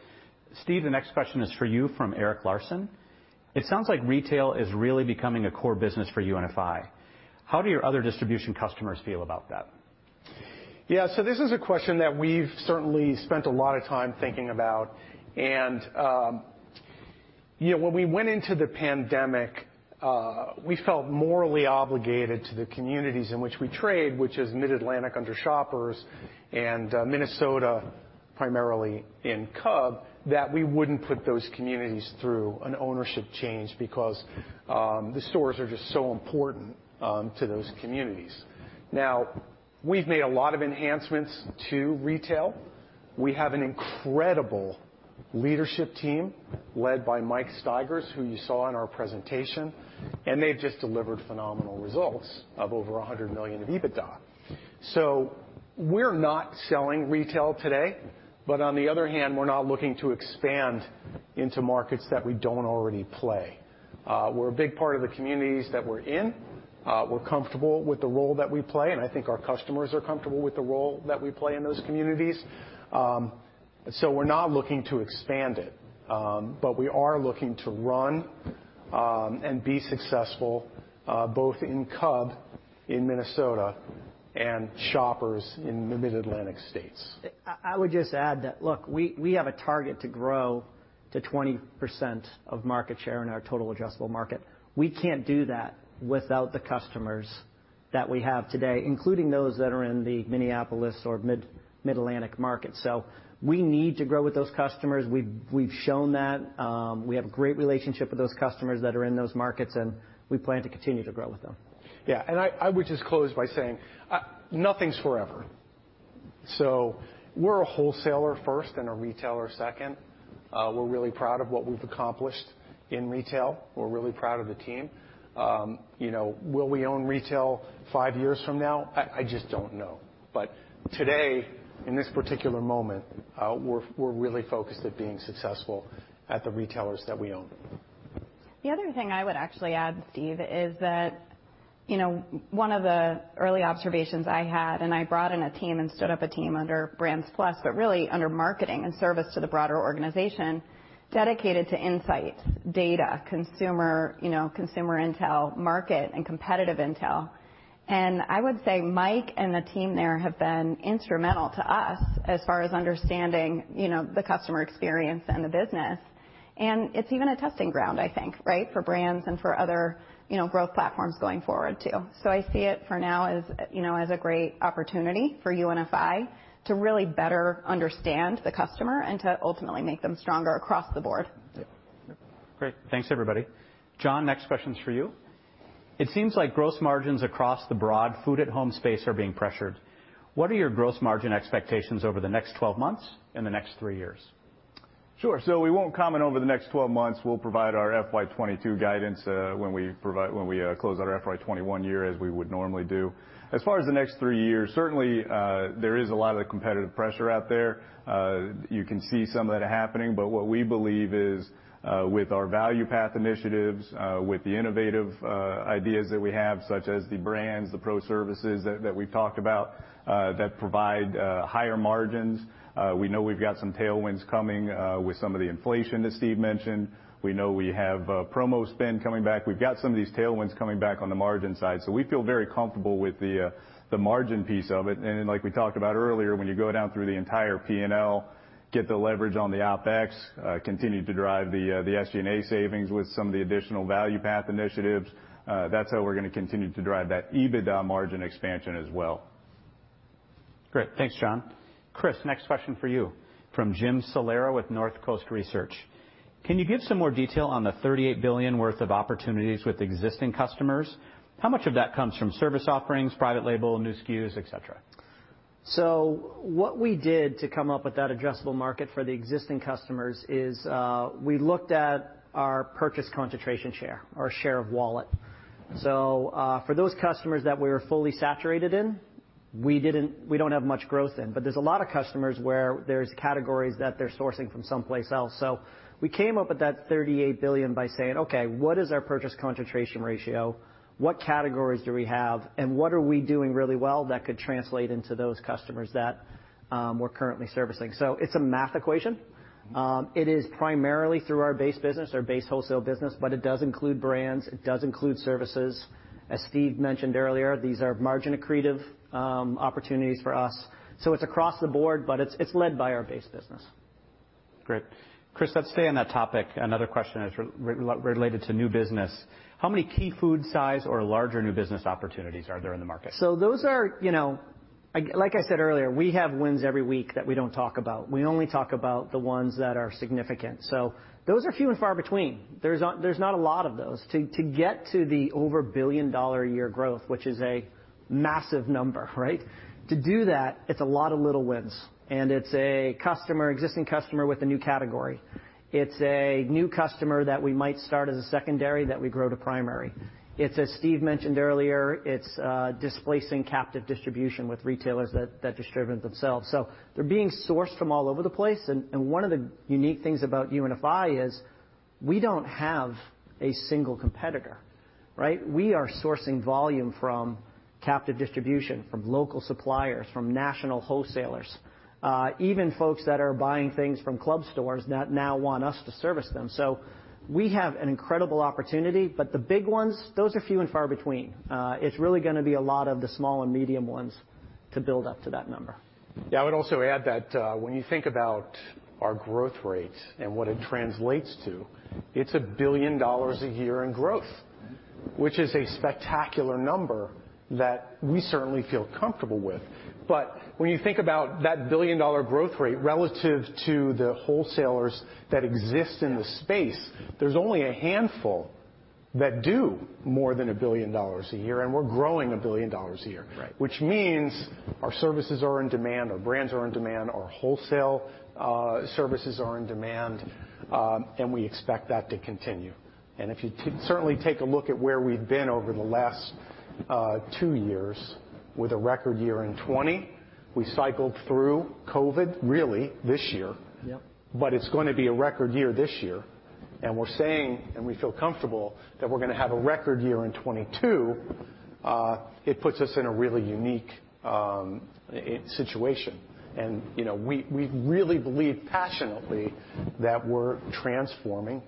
Steve, the next question is for you from Eric Larson. It sounds like retail is really becoming a core business for UNFI. How do your other distribution customers feel about that? Yeah. This is a question that we've certainly spent a lot of time thinking about. When we went into the pandemic, we felt morally obligated to the communities in which we trade, which is Mid-Atlantic under Shoppers and Minnesota primarily in Cub, that we wouldn't put those communities through an ownership change because the stores are just so important to those communities. Now, we've made a lot of enhancements to retail. We have an incredible leadership team led by Mike Stigers, who you saw in our presentation, and they've just delivered phenomenal results of over $100 million of EBITDA. We're not selling retail today. On the other hand, we're not looking to expand into markets that we don't already play. We're a big part of the communities that we're in. We're comfortable with the role that we play, and I think our customers are comfortable with the role that we play in those communities. We're not looking to expand it. We are looking to run and be successful both in Cub in Minnesota and Shoppers in the Mid-Atlantic states. I would just add that, look, we have a target to grow to 20% of market share in our total addressable market. We can't do that without the customers that we have today, including those that are in the Minneapolis or Mid-Atlantic markets. We need to grow with those customers. We've shown that. We have a great relationship with those customers that are in those markets, and we plan to continue to grow with them. Yeah. I would just close by saying nothing's forever. We're a wholesaler first and a retailer second. We're really proud of what we've accomplished in retail. We're really proud of the team. Will we own retail five years from now? I just don't know. Today, in this particular moment, we're really focused at being successful at the retailers that we own. The other thing I would actually add, Steve, is that one of the early observations I had, I brought in a team and stood up a team under Brands+, but really under marketing and service to the broader organization dedicated to insights, data, consumer intel, market, and competitive intel. I would say Mike and the team there have been instrumental to us as far as understanding the customer experience and the business. It's even a testing ground, I think, right, for brands and for other growth platforms going forward too. I see it for now as a great opportunity for UNFI to really better understand the customer and to ultimately make them stronger across the board. Great. Thanks, everybody. John, next question's for you. It seems like gross margins across the broad food-at-home space are being pressured. What are your gross margin expectations over the next 12 months and the next three years? Sure. We won't comment over the next 12 months. We'll provide our FY 2022 guidance when we close our FY 2021 year as we would normally do. As far as the next three years, certainly, there is a lot of the competitive pressure out there. You can see some of that happening. What we believe is with our Value Path initiatives, with the innovative ideas that we have, such as the Brands+, the pro services that we've talked about, that provide higher margins. We know we've got some tailwinds coming with some of the inflation that Steve mentioned. We know we have promo spend coming back. We've got some of these tailwinds coming back on the margin side. We feel very comfortable with the margin piece of it. Like we talked about earlier, when you go down through the entire P&L, get the leverage on the OPEX, continue to drive the SG&A savings with some of the additional Value Path initiatives, that's how we're going to continue to drive that EBITDA margin expansion as well. Great. Thanks, John. Chris, next question for you from Jim Salera with Northcoast Research. Can you give some more detail on the $38 billion worth of opportunities with existing customers? How much of that comes from service offerings, private label, new SKUs, et cetera? What we did to come up with that addressable market for the existing customers is we looked at our purchase concentration share, our share of wallet. For those customers that we were fully saturated in, we don't have much growth in. There's a lot of customers where there's categories that they're sourcing from someplace else. We came up with that $38 billion by saying, "Okay. What is our purchase concentration ratio? What categories do we have? And what are we doing really well that could translate into those customers that we're currently servicing?" It's a math equation. It is primarily through our base business, our base wholesale business, but it does include brands. It does include services. As Steve mentioned earlier, these are margin accretive opportunities for us. It's across the board, but it's led by our base business. Great. Chris, let's stay on that topic. Another question is related to new business. How many Key Food-size or larger new business opportunities are there in the market? Those are like I said earlier, we have wins every week that we don't talk about. We only talk about the ones that are significant. Those are few and far between. There's not a lot of those. To get to the over billion-dollar-a-year growth, which is a massive number, right. To do that, it's a lot of little wins. It's a customer, existing customer with a new category. It's a new customer that we might start as a secondary that we grow to primary. It's, as Steve mentioned earlier, it's displacing captive distribution with retailers that distribute themselves. They're being sourced from all over the place. One of the unique things about UNFI is we don't have a single competitor, right. We are sourcing volume from captive distribution, from local suppliers, from national wholesalers. Even folks that are buying things from club stores now want us to service them. We have an incredible opportunity. The big ones, those are few and far between. It's really going to be a lot of the small and medium ones to build up to that number. Yeah. I would also add that when you think about our growth rate and what it translates to, it's $1 billion a year in growth, which is a spectacular number that we certainly feel comfortable with. When you think about that $1 billion growth rate relative to the wholesalers that exist in the space, there's only a handful that do more than $1 billion a year. We're growing $1 billion a year, which means our services are in demand, our brands are in demand, our wholesale services are in demand, and we expect that to continue. If you certainly take a look at where we've been over the last 2 years with a record year in 2020, we cycled through COVID really this year. It's going to be a record year this year. We're saying, and we feel comfortable, that we're going to have a record year in 2022. It puts us in a really unique situation. We really believe passionately that we're transforming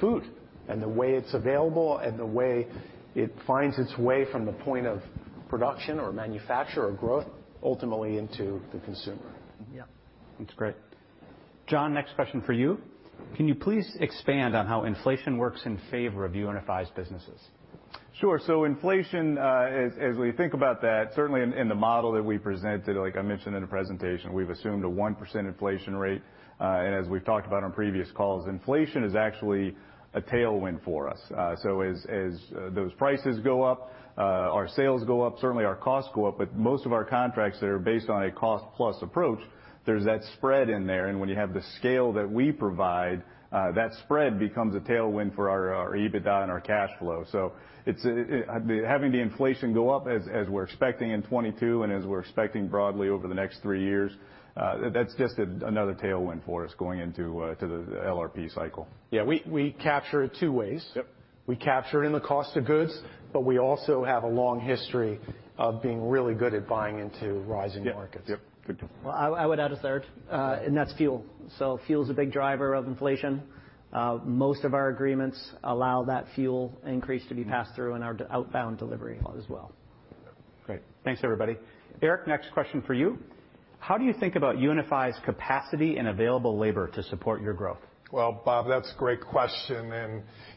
food and the way it's available and the way it finds its way from the point of production or manufacture or growth ultimately into the consumer. Yeah. That's great. John, next question for you. Can you please expand on how inflation works in favor of UNFI's businesses? Sure. Inflation, as we think about that, certainly in the model that we presented, like I mentioned in the presentation, we've assumed a 1% inflation rate. As we've talked about on previous calls, inflation is actually a tailwind for us. As those prices go up, our sales go up, certainly our costs go up. Most of our contracts that are based on a cost-plus approach, there's that spread in there. When you have the scale that we provide, that spread becomes a tailwind for our EBITDA and our cash flow. Having the inflation go up as we're expecting in 2022 and as we're expecting broadly over the next 3 years, that's just another tailwind for us going into the LRP cycle. Yeah. We capture it two ways. We capture it in the cost of goods, we also have a long history of being really good at buying into rising markets. Yep. Good deal. Well, I would add a third, and that's fuel. Fuel's a big driver of inflation. Most of our agreements allow that fuel increase to be passed through in our outbound delivery as well. Great. Thanks, everybody. Eric, next question for you. How do you think about UNFI's capacity and available labor to support your growth? Well, Bob, that's a great question.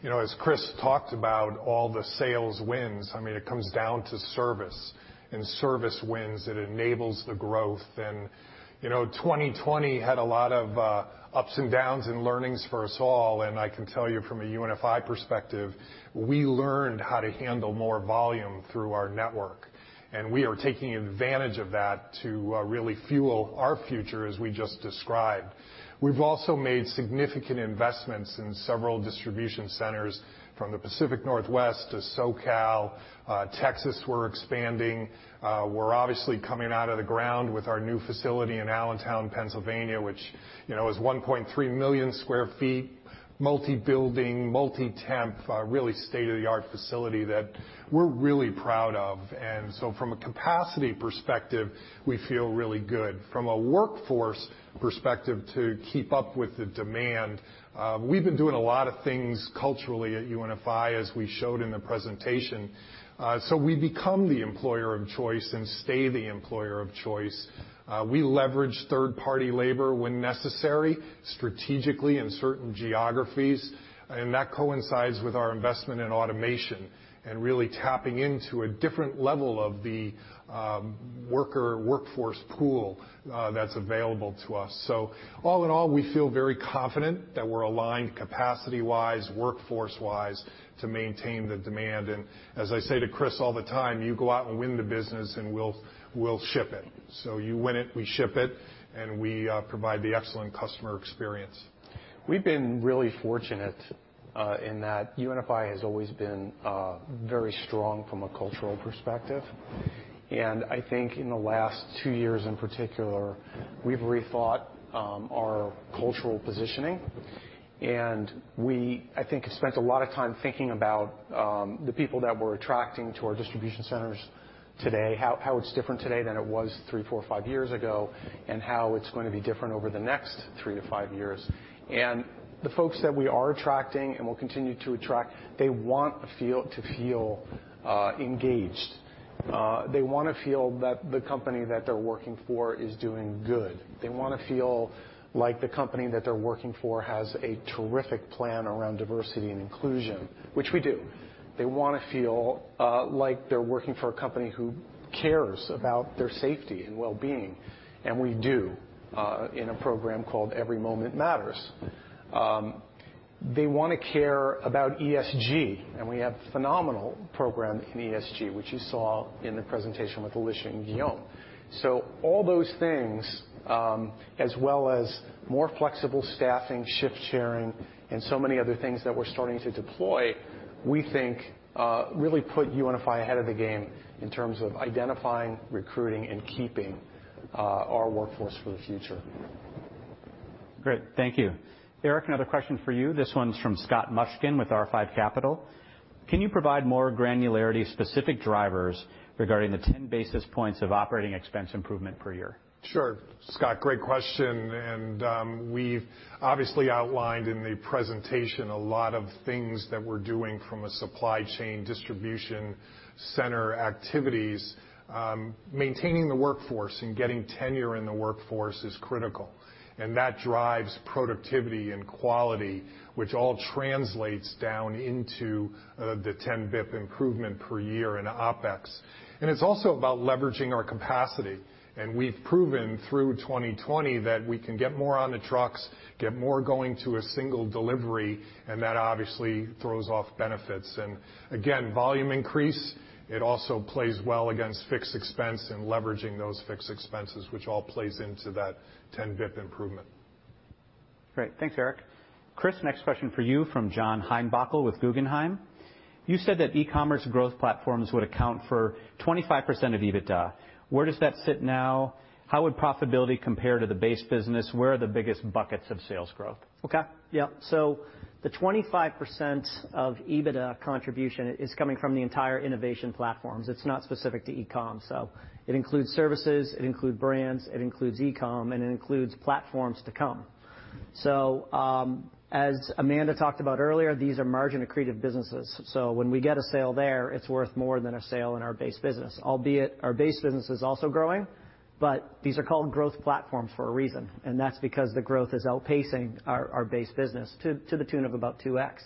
As Chris talked about all the sales wins, I mean, it comes down to service and service wins that enables the growth. 2020 had a lot of ups and downs and learnings for us all. I can tell you from a UNFI perspective, we learned how to handle more volume through our network. We are taking advantage of that to really Fuel the Future, as we just described. We've also made significant investments in several Distribution Centers from the Pacific Northwest to SoCal. Texas we're expanding. We're obviously coming out of the ground with our new facility in Allentown, Pennsylvania, which is 1.3 million sq ft, multi-building, multi-temp, really state-of-the-art facility that we're really proud of. From a capacity perspective, we feel really good. From a workforce perspective, to keep up with the demand, we've been doing a lot of things culturally at UNFI, as we showed in the presentation. We become the employer of choice and stay the employer of choice. We leverage third-party labor when necessary, strategically in certain geographies. That coincides with our investment in automation and really tapping into a different level of the worker/workforce pool that's available to us. All in all, we feel very confident that we're aligned capacity-wise, workforce-wise to maintain the demand. As I say to Chris all the time, you go out and win the business, and we'll ship it. You win it, we ship it, and we provide the excellent customer experience. We've been really fortunate in that UNFI has always been very strong from a cultural perspective. I think in the last 2 years in particular, we've rethought our cultural positioning. We, I think, have spent a lot of time thinking about the people that we're attracting to our Distribution Centers today, how it's different today than it was 3, 4, 5 years ago, and how it's going to be different over the next 3-5 years. The folks that we are attracting and will continue to attract, they want to feel engaged. They want to feel that the company that they're working for is doing good. They want to feel like the company that they're working for has a terrific plan around diversity and inclusion, which we do. They want to feel like they're working for a company who cares about their safety and well-being. We do in a program called Every Moment Matters. They want to care about ESG. We have a phenomenal program in ESG, which you saw in the presentation with Alicia and Guillaume. All those things, as well as more flexible staffing, shift-sharing, and so many other things that we're starting to deploy, we think really put UNFI ahead of the game in terms of identifying, recruiting, and keeping our workforce for the future. Great. Thank you. Eric, another question for you. This one's from Scott Mushkin with R5 Capital. Can you provide more granularity-specific drivers regarding the 10 basis points of operating expense improvement per year? Sure, Scott. Great question. We've obviously outlined in the presentation a lot of things that we're doing from a supply chain Distribution Center activities. Maintaining the workforce and getting tenure in the workforce is critical. That drives productivity and quality, which all translates down into the 10 basis points improvement per year and OPEX. It's also about leveraging our capacity. We've proven through 2020 that we can get more on the trucks, get more going to a single delivery, that obviously throws off benefits. Again, volume increase, it also plays well against fixed expense and leveraging those fixed expenses, which all plays into that 10 basis points improvement. Great. Thanks, Eric. Chris, next question for you from John Heinbockel with Guggenheim. You said that e-commerce growth platforms would account for 25% of EBITDA. Where does that sit now? How would profitability compare to the base business? Where are the biggest buckets of sales growth? Okay. Yeah. The 25% of EBITDA contribution is coming from the entire innovation platforms. It's not specific to e-commerce. It includes services. It includes brands. It includes e-commerce. It includes platforms to come. As Amanda talked about earlier, these are margin accretive businesses. When we get a sale there, it's worth more than a sale in our base business, albeit our base business is also growing. These are called growth platforms for a reason. That's because the growth is outpacing our base business to the tune of about 2X.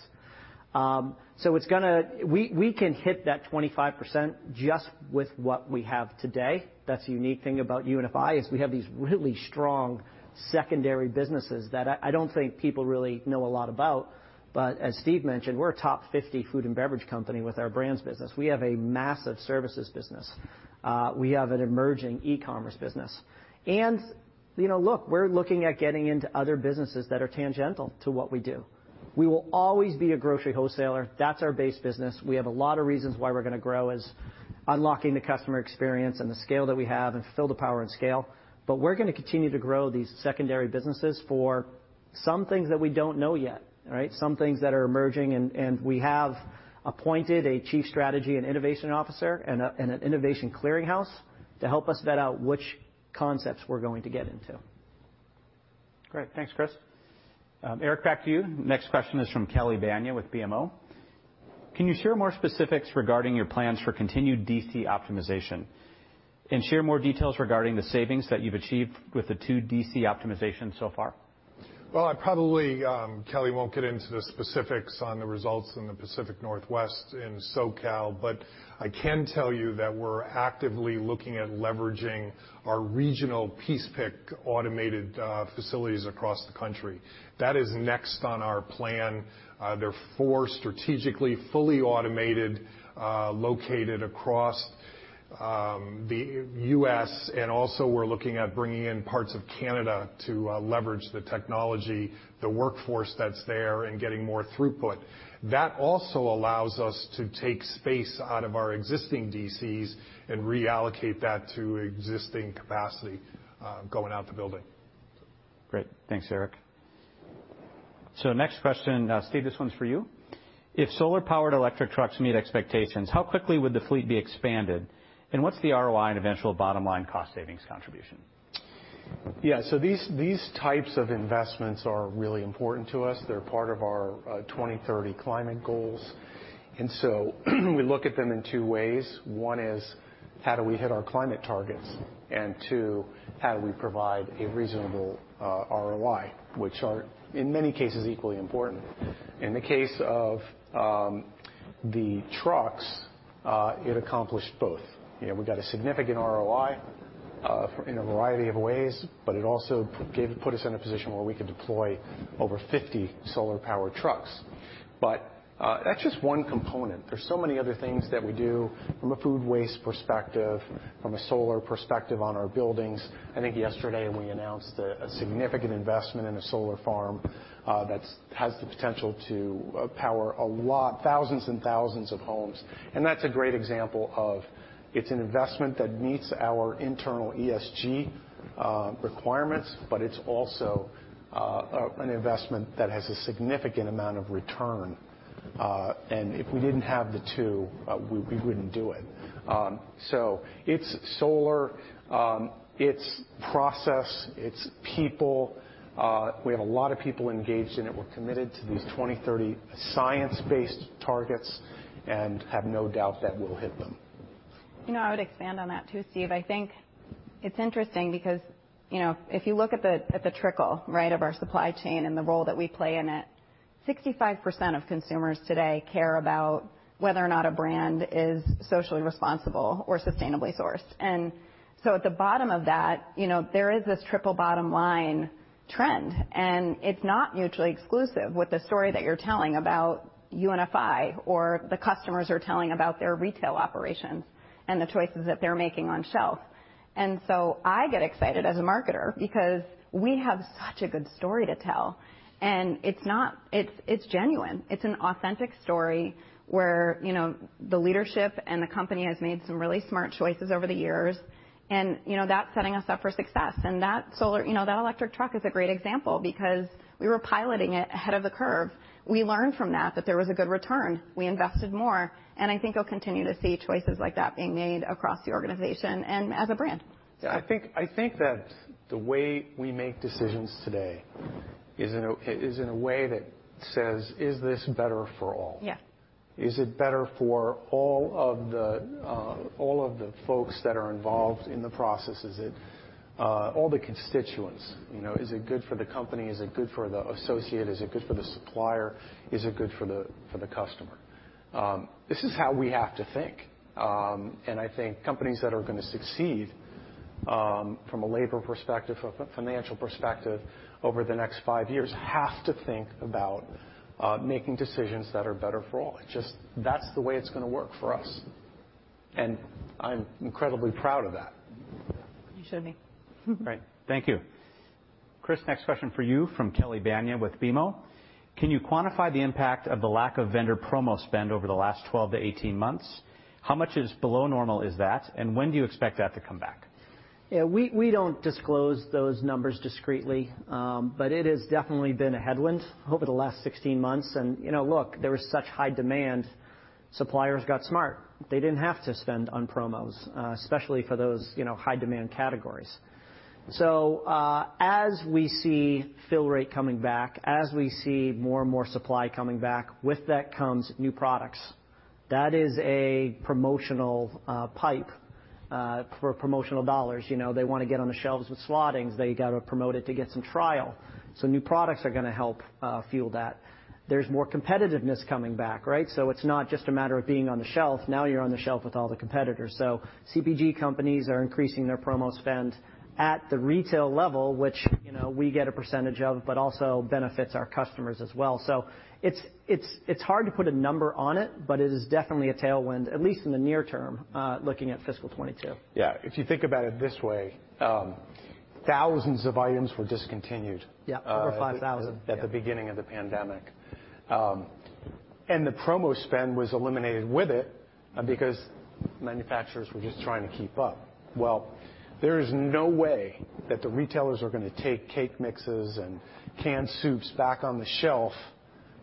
We can hit that 25% just with what we have today. That's a unique thing about UNFI is we have these really strong secondary businesses that I don't think people really know a lot about. As Steve mentioned, we're a top 50 food and beverage company with our brands business. We have a massive services business. We have an emerging e-commerce business. Look, we're looking at getting into other businesses that are tangential to what we do. We will always be a grocery wholesaler. That's our base business. We have a lot of reasons why we're going to grow, is Unlock the Customer Experience and the scale that we have and Fulfill Power in Scale. We're going to continue to grow these secondary businesses for some things that we don't know yet, right, some things that are emerging. We have appointed a chief strategy and innovation officer and an innovation clearinghouse to help us vet out which concepts we're going to get into. Great. Thanks, Chris. Eric, back to you. Next question is from Kelly Bania with BMO. Can you share more specifics regarding your plans for continued DC optimization and share more details regarding the savings that you've achieved with the two DC optimization so far? Kelly won't get into the specifics on the results in the Pacific Northwest and SoCal. I can tell you that we're actively looking at leveraging our regional piece-pick automated facilities across the country. That is next on our plan. They're four strategically fully automated, located across the U.S. Also we're looking at bringing in parts of Canada to leverage the technology, the workforce that's there, and getting more throughput. That also allows us to take space out of our existing DCs and reallocate that to existing capacity going out the building. Great. Thanks, Eric. Next question, Steve, this one's for you. If solar-powered electric trucks meet expectations, how quickly would the fleet be expanded? What's the ROI and eventual bottom-line cost savings contribution? Yeah. These types of investments are really important to us. They're part of our 2030 climate goals. We look at them in two ways. One is how do we hit our climate targets? Two, how do we provide a reasonable ROI, which are in many cases equally important. In the case of the trucks, it accomplished both. We got a significant ROI in a variety of ways, but it also put us in a position where we could deploy over 50 solar-powered trucks. That's just one component. There's so many other things that we do from a food waste perspective, from a solar perspective on our buildings. I think yesterday we announced a significant investment in a solar farm that has the potential to power thousands and thousands of homes. That's a great example of it's an investment that meets our internal ESG requirements, but it's also an investment that has a significant amount of return. If we didn't have the two, we wouldn't do it. It's solar. It's process. It's people. We have a lot of people engaged in it. We're committed to these 2030 science-based targets and have no doubt that we'll hit them. I would expand on that too, Steve. I think it's interesting because if you look at the trickle, right, of our supply chain and the role that we play in it, 65% of consumers today care about whether or not a brand is socially responsible or sustainably sourced. At the bottom of that, there is this triple bottom-line trend. It's not mutually exclusive with the story that you're telling about UNFI or the customers are telling about their retail operations and the choices that they're making on shelf. I get excited as a marketer because we have such a good story to tell. It's genuine. It's an authentic story where the leadership and the company has made some really smart choices over the years. That's setting us up for success. That electric truck is a great example because we were piloting it ahead of the curve. We learned from that that there was a good return. We invested more. I think you'll continue to see choices like that being made across the organization and as a brand. Yeah. I think that the way we make decisions today is in a way that says, "Is this Better for All?" Is it Better for All of the folks that are involved in the process? Is it all the constituents? Is it good for the company? Is it good for the associate? Is it good for the supplier? Is it good for the customer? This is how we have to think. I think companies that are going to succeed from a labor perspective, a financial perspective, over the next five years have to think about making decisions that are Better for All. That's the way it's going to work for us. I'm incredibly proud of that. You showed me. Great. Thank you. Chris, next question for you from Kelly Bania with BMO. Can you quantify the impact of the lack of vendor promo spend over the last 12-18 months? How much below normal is that? When do you expect that to come back? Yeah. We don't disclose those numbers discreetly. It has definitely been a headwind over the last 16 months. Look, there was such high demand. Suppliers got smart. They didn't have to spend on promos, especially for those high-demand categories. As we see fill rate coming back, as we see more and more supply coming back, with that comes new products. That is a promotional pipe for promotional dollars. They want to get on the shelves with slottings. They got to promote it to get some trial. New products are going to help fuel that. There's more competitiveness coming back, right? It's not just a matter of being on the shelf. Now you're on the shelf with all the competitors. CPG companies are increasing their promo spend at the retail level, which we get a percentage of but also benefits our customers as well. It's hard to put a number on it, but it is definitely a tailwind, at least in the near term, looking at fiscal 2022. Yeah. If you think about it this way, thousands of items were discontinued. Yeah. Over 5,000. At the beginning of the pandemic. The promo spend was eliminated with it because manufacturers were just trying to keep up. Well, there is no way that the retailers are going to take cake mixes and canned soups back on the shelf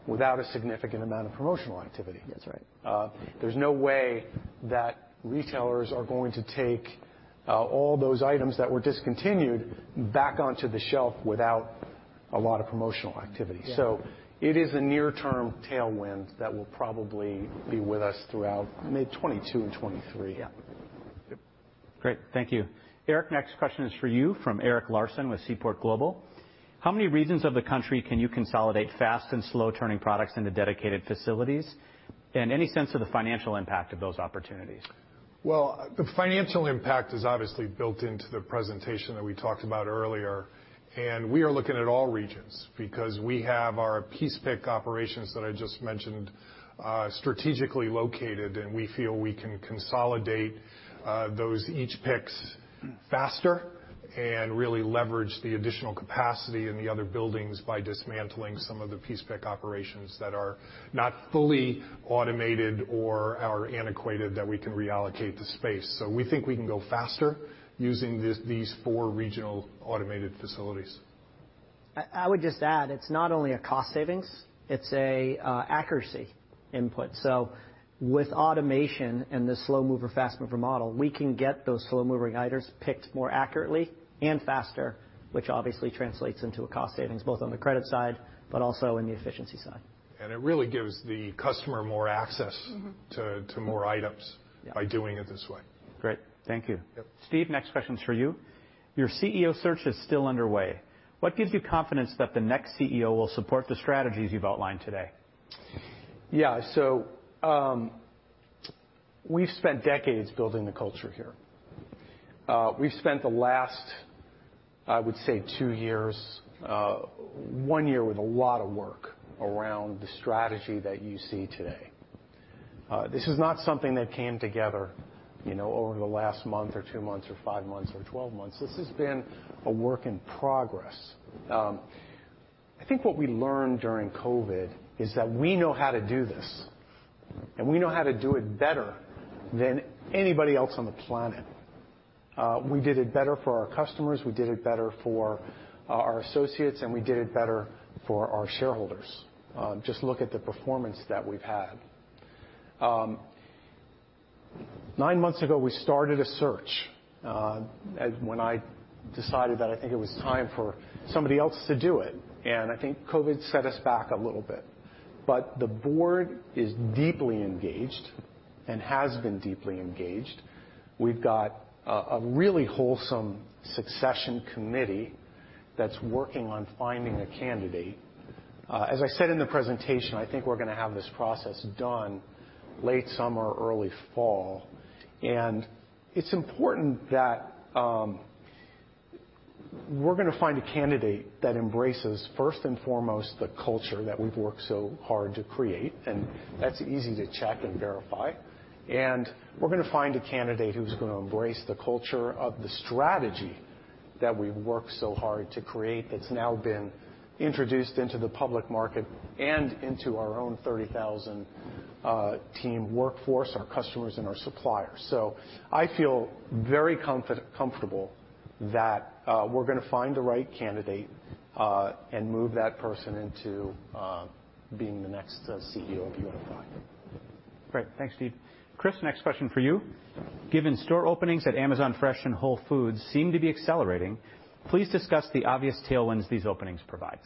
without a significant amount of promotional activity. There's no way that retailers are going to take all those items that were discontinued back onto the shelf without a lot of promotional activity. It is a near-term tailwind that will probably be with us throughout mid-2022 and 2023. Great. Thank you. Eric, next question is for you from Eric Larson with Seaport Global. How many regions of the country can you consolidate fast and slow-turning products into dedicated facilities? Any sense of the financial impact of those opportunities? Well, the financial impact is obviously built into the presentation that we talked about earlier. We are looking at all regions because we have our piece-pick operations that I just mentioned strategically located. We feel we can consolidate those piece-picks faster and really leverage the additional capacity in the other buildings by dismantling some of the piece-pick operations that are not fully automated or are antiquated that we can reallocate the space. We think we can go faster using these four regional automated facilities. I would just add it's not only a cost savings. It's an accuracy input. With automation and the slow-mover, fast-mover model, we can get those slow-moving items picked more accurately and faster, which obviously translates into a cost savings both on the credit side but also in the efficiency side. It really gives the customer more access to more items by doing it this way. Great. Thank you, Steve. Next question's for you. Your CEO search is still underway. What gives you confidence that the next CEO will support the strategies you've outlined today? Yeah. We've spent decades building the culture here. We've spent the last, I would say, two years, one year with a lot of work around the strategy that you see today. This is not something that came together over the last month or two months or five months or 12 months. This has been a work in progress. I think what we learned during COVID-19 is that we know how to do this. We know how to do it better than anybody else on the planet. We did it better for our customers. We did it better for our associates. We did it better for our shareholders. Just look at the performance that we've had. Nine months ago, we started a search when I decided that I think it was time for somebody else to do it. I think COVID-19 set us back a little bit. The board is deeply engaged and has been deeply engaged. We've got a really wholesome succession committee that's working on finding a candidate. As I said in the presentation, I think we're going to have this process done late summer, early fall. It's important that we're going to find a candidate that embraces, first and foremost, the culture that we've worked so hard to create. That's easy to check and verify. We're going to find a candidate who's going to embrace the culture of the strategy that we've worked so hard to create that's now been introduced into the public market and into our own 30,000-team workforce, our customers, and our suppliers. I feel very comfortable that we're going to find the right candidate and move that person into being the next CEO of UNFI. Great. Thanks, Steve. Chris, next question for you. Given store openings at Amazon Fresh and Whole Foods seem to be accelerating, please discuss the obvious tailwinds these openings provide.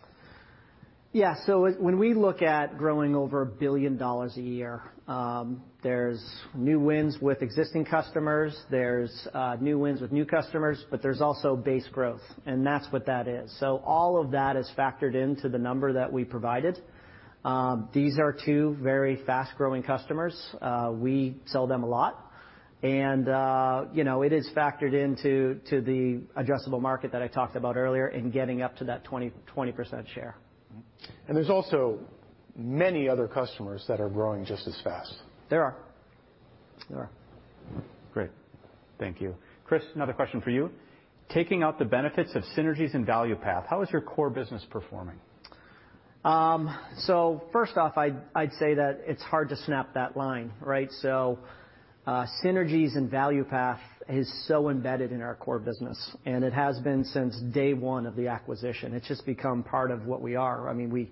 Yeah. When we look at growing over $1 billion a year, there's new wins with existing customers. There's new wins with new customers. There's also base growth. That's what that is. All of that is factored into the number that we provided. These are two very fast-growing customers. We sell them a lot. It is factored into the addressable market that I talked about earlier in getting up to that 20% share. There's also many other customers that are growing just as fast. There are. Great. Thank you. Chris, another question for you. Taking out the benefits of synergies and Value Path, how is your core business performing? I'd say that it's hard to snap that line, right? Synergies and Value Path is so embedded in our core business. It has been since day one of the acquisition. It's just become part of what we are. I mean, we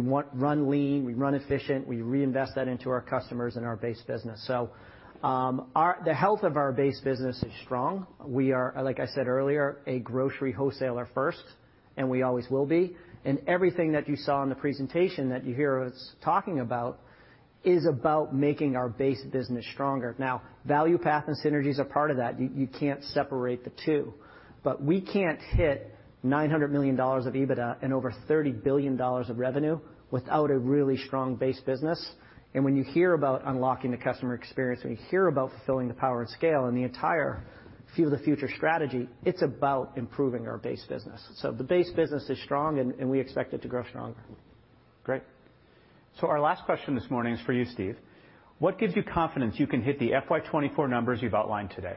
run lean. We run efficient. We reinvest that into our customers and our base business. The health of our base business is strong. We are, like I said earlier, a grocery wholesaler first. We always will be. Everything that you saw in the presentation that you hear us talking about is about making our base business stronger. Value Path and Synergies are part of that. You can't separate the two. We can't hit $900 million of EBITDA and over $30 billion of revenue without a really strong base business. When you hear about Unlock the Customer Experience, when you hear about Fulfill Power in Scale in the entire Fuel the Future strategy, it's about improving our base business. The base business is strong. We expect it to grow stronger. Great. Our last question this morning is for you, Steve. What gives you confidence you can hit the FY 2024 numbers you've outlined today?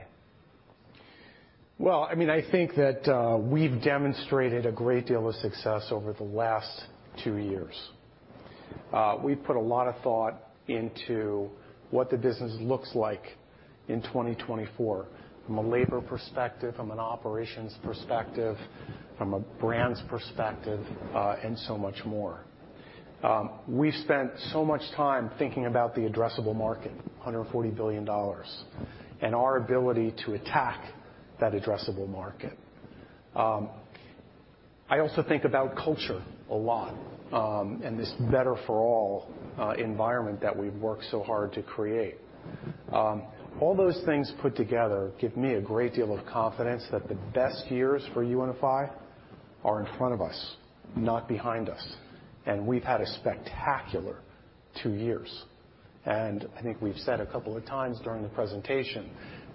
I mean, I think that we've demonstrated a great deal of success over the last 2 years. We've put a lot of thought into what the business looks like in 2024 from a labor perspective, from an operations perspective, from a brands perspective, and so much more. We've spent so much time thinking about the addressable market, $140 billion, and our ability to attack that addressable market. I also think about culture a lot and this Better for All environment that we've worked so hard to create. All those things put together give me a great deal of confidence that the best years for UNFI are in front of us, not behind us. We've had a spectacular 2 years. I think we've said a couple of times during the presentation,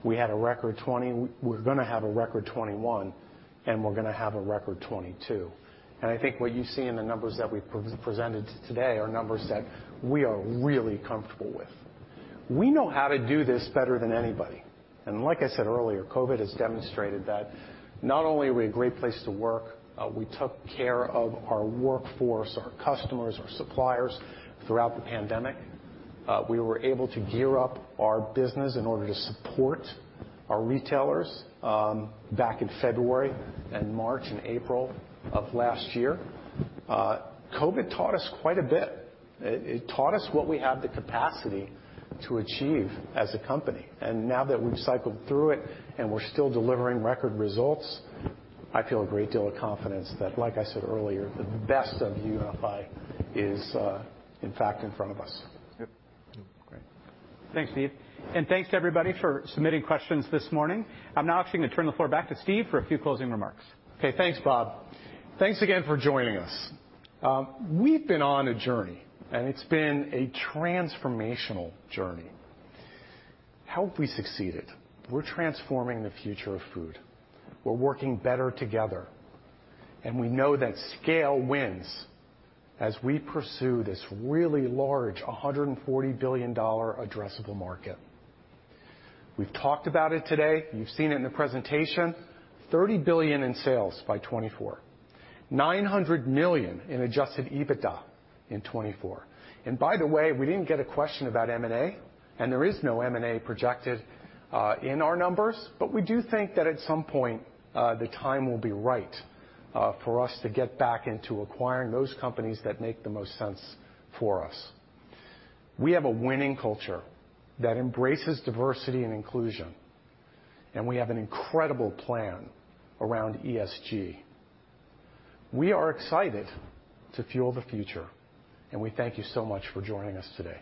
we had a record 2020. We're going to have a record 2021. We're going to have a record 22. I think what you see in the numbers that we've presented today are numbers that we are really comfortable with. We know how to do this better than anybody. Like I said earlier, COVID has demonstrated that not only are we a great place to work, we took care of our workforce, our customers, our suppliers throughout the pandemic. We were able to gear up our business in order to support our retailers back in February and March and April of last year. COVID taught us quite a bit. It taught us what we have the capacity to achieve as a company. Now that we've cycled through it and we're still delivering record results, I feel a great deal of confidence that, like I said earlier, the best of UNFI is, in fact, in front of us. Great. Thanks, Steve. Thanks, everybody, for submitting questions this morning. I'm now actually going to turn the floor back to Steve Spinner for a few closing remarks. Okay. Thanks, Bob. Thanks again for joining us. We've been on a journey. It's been a transformational journey. How have we succeeded? We're transforming the future of food. We're working better together. We know that scale wins as we pursue this really large $140 billion addressable market. We've talked about it today. You've seen it in the presentation. $30 billion in sales by 2024, $900 million in Adjusted EBITDA in 2024. By the way, we didn't get a question about M&A. There is no M&A projected in our numbers. We do think that at some point, the time will be right for us to get back into acquiring those companies that make the most sense for us. We have a winning culture that embraces diversity and inclusion. We have an incredible plan around ESG. We are excited to Fuel the Future. We thank you so much for joining us today.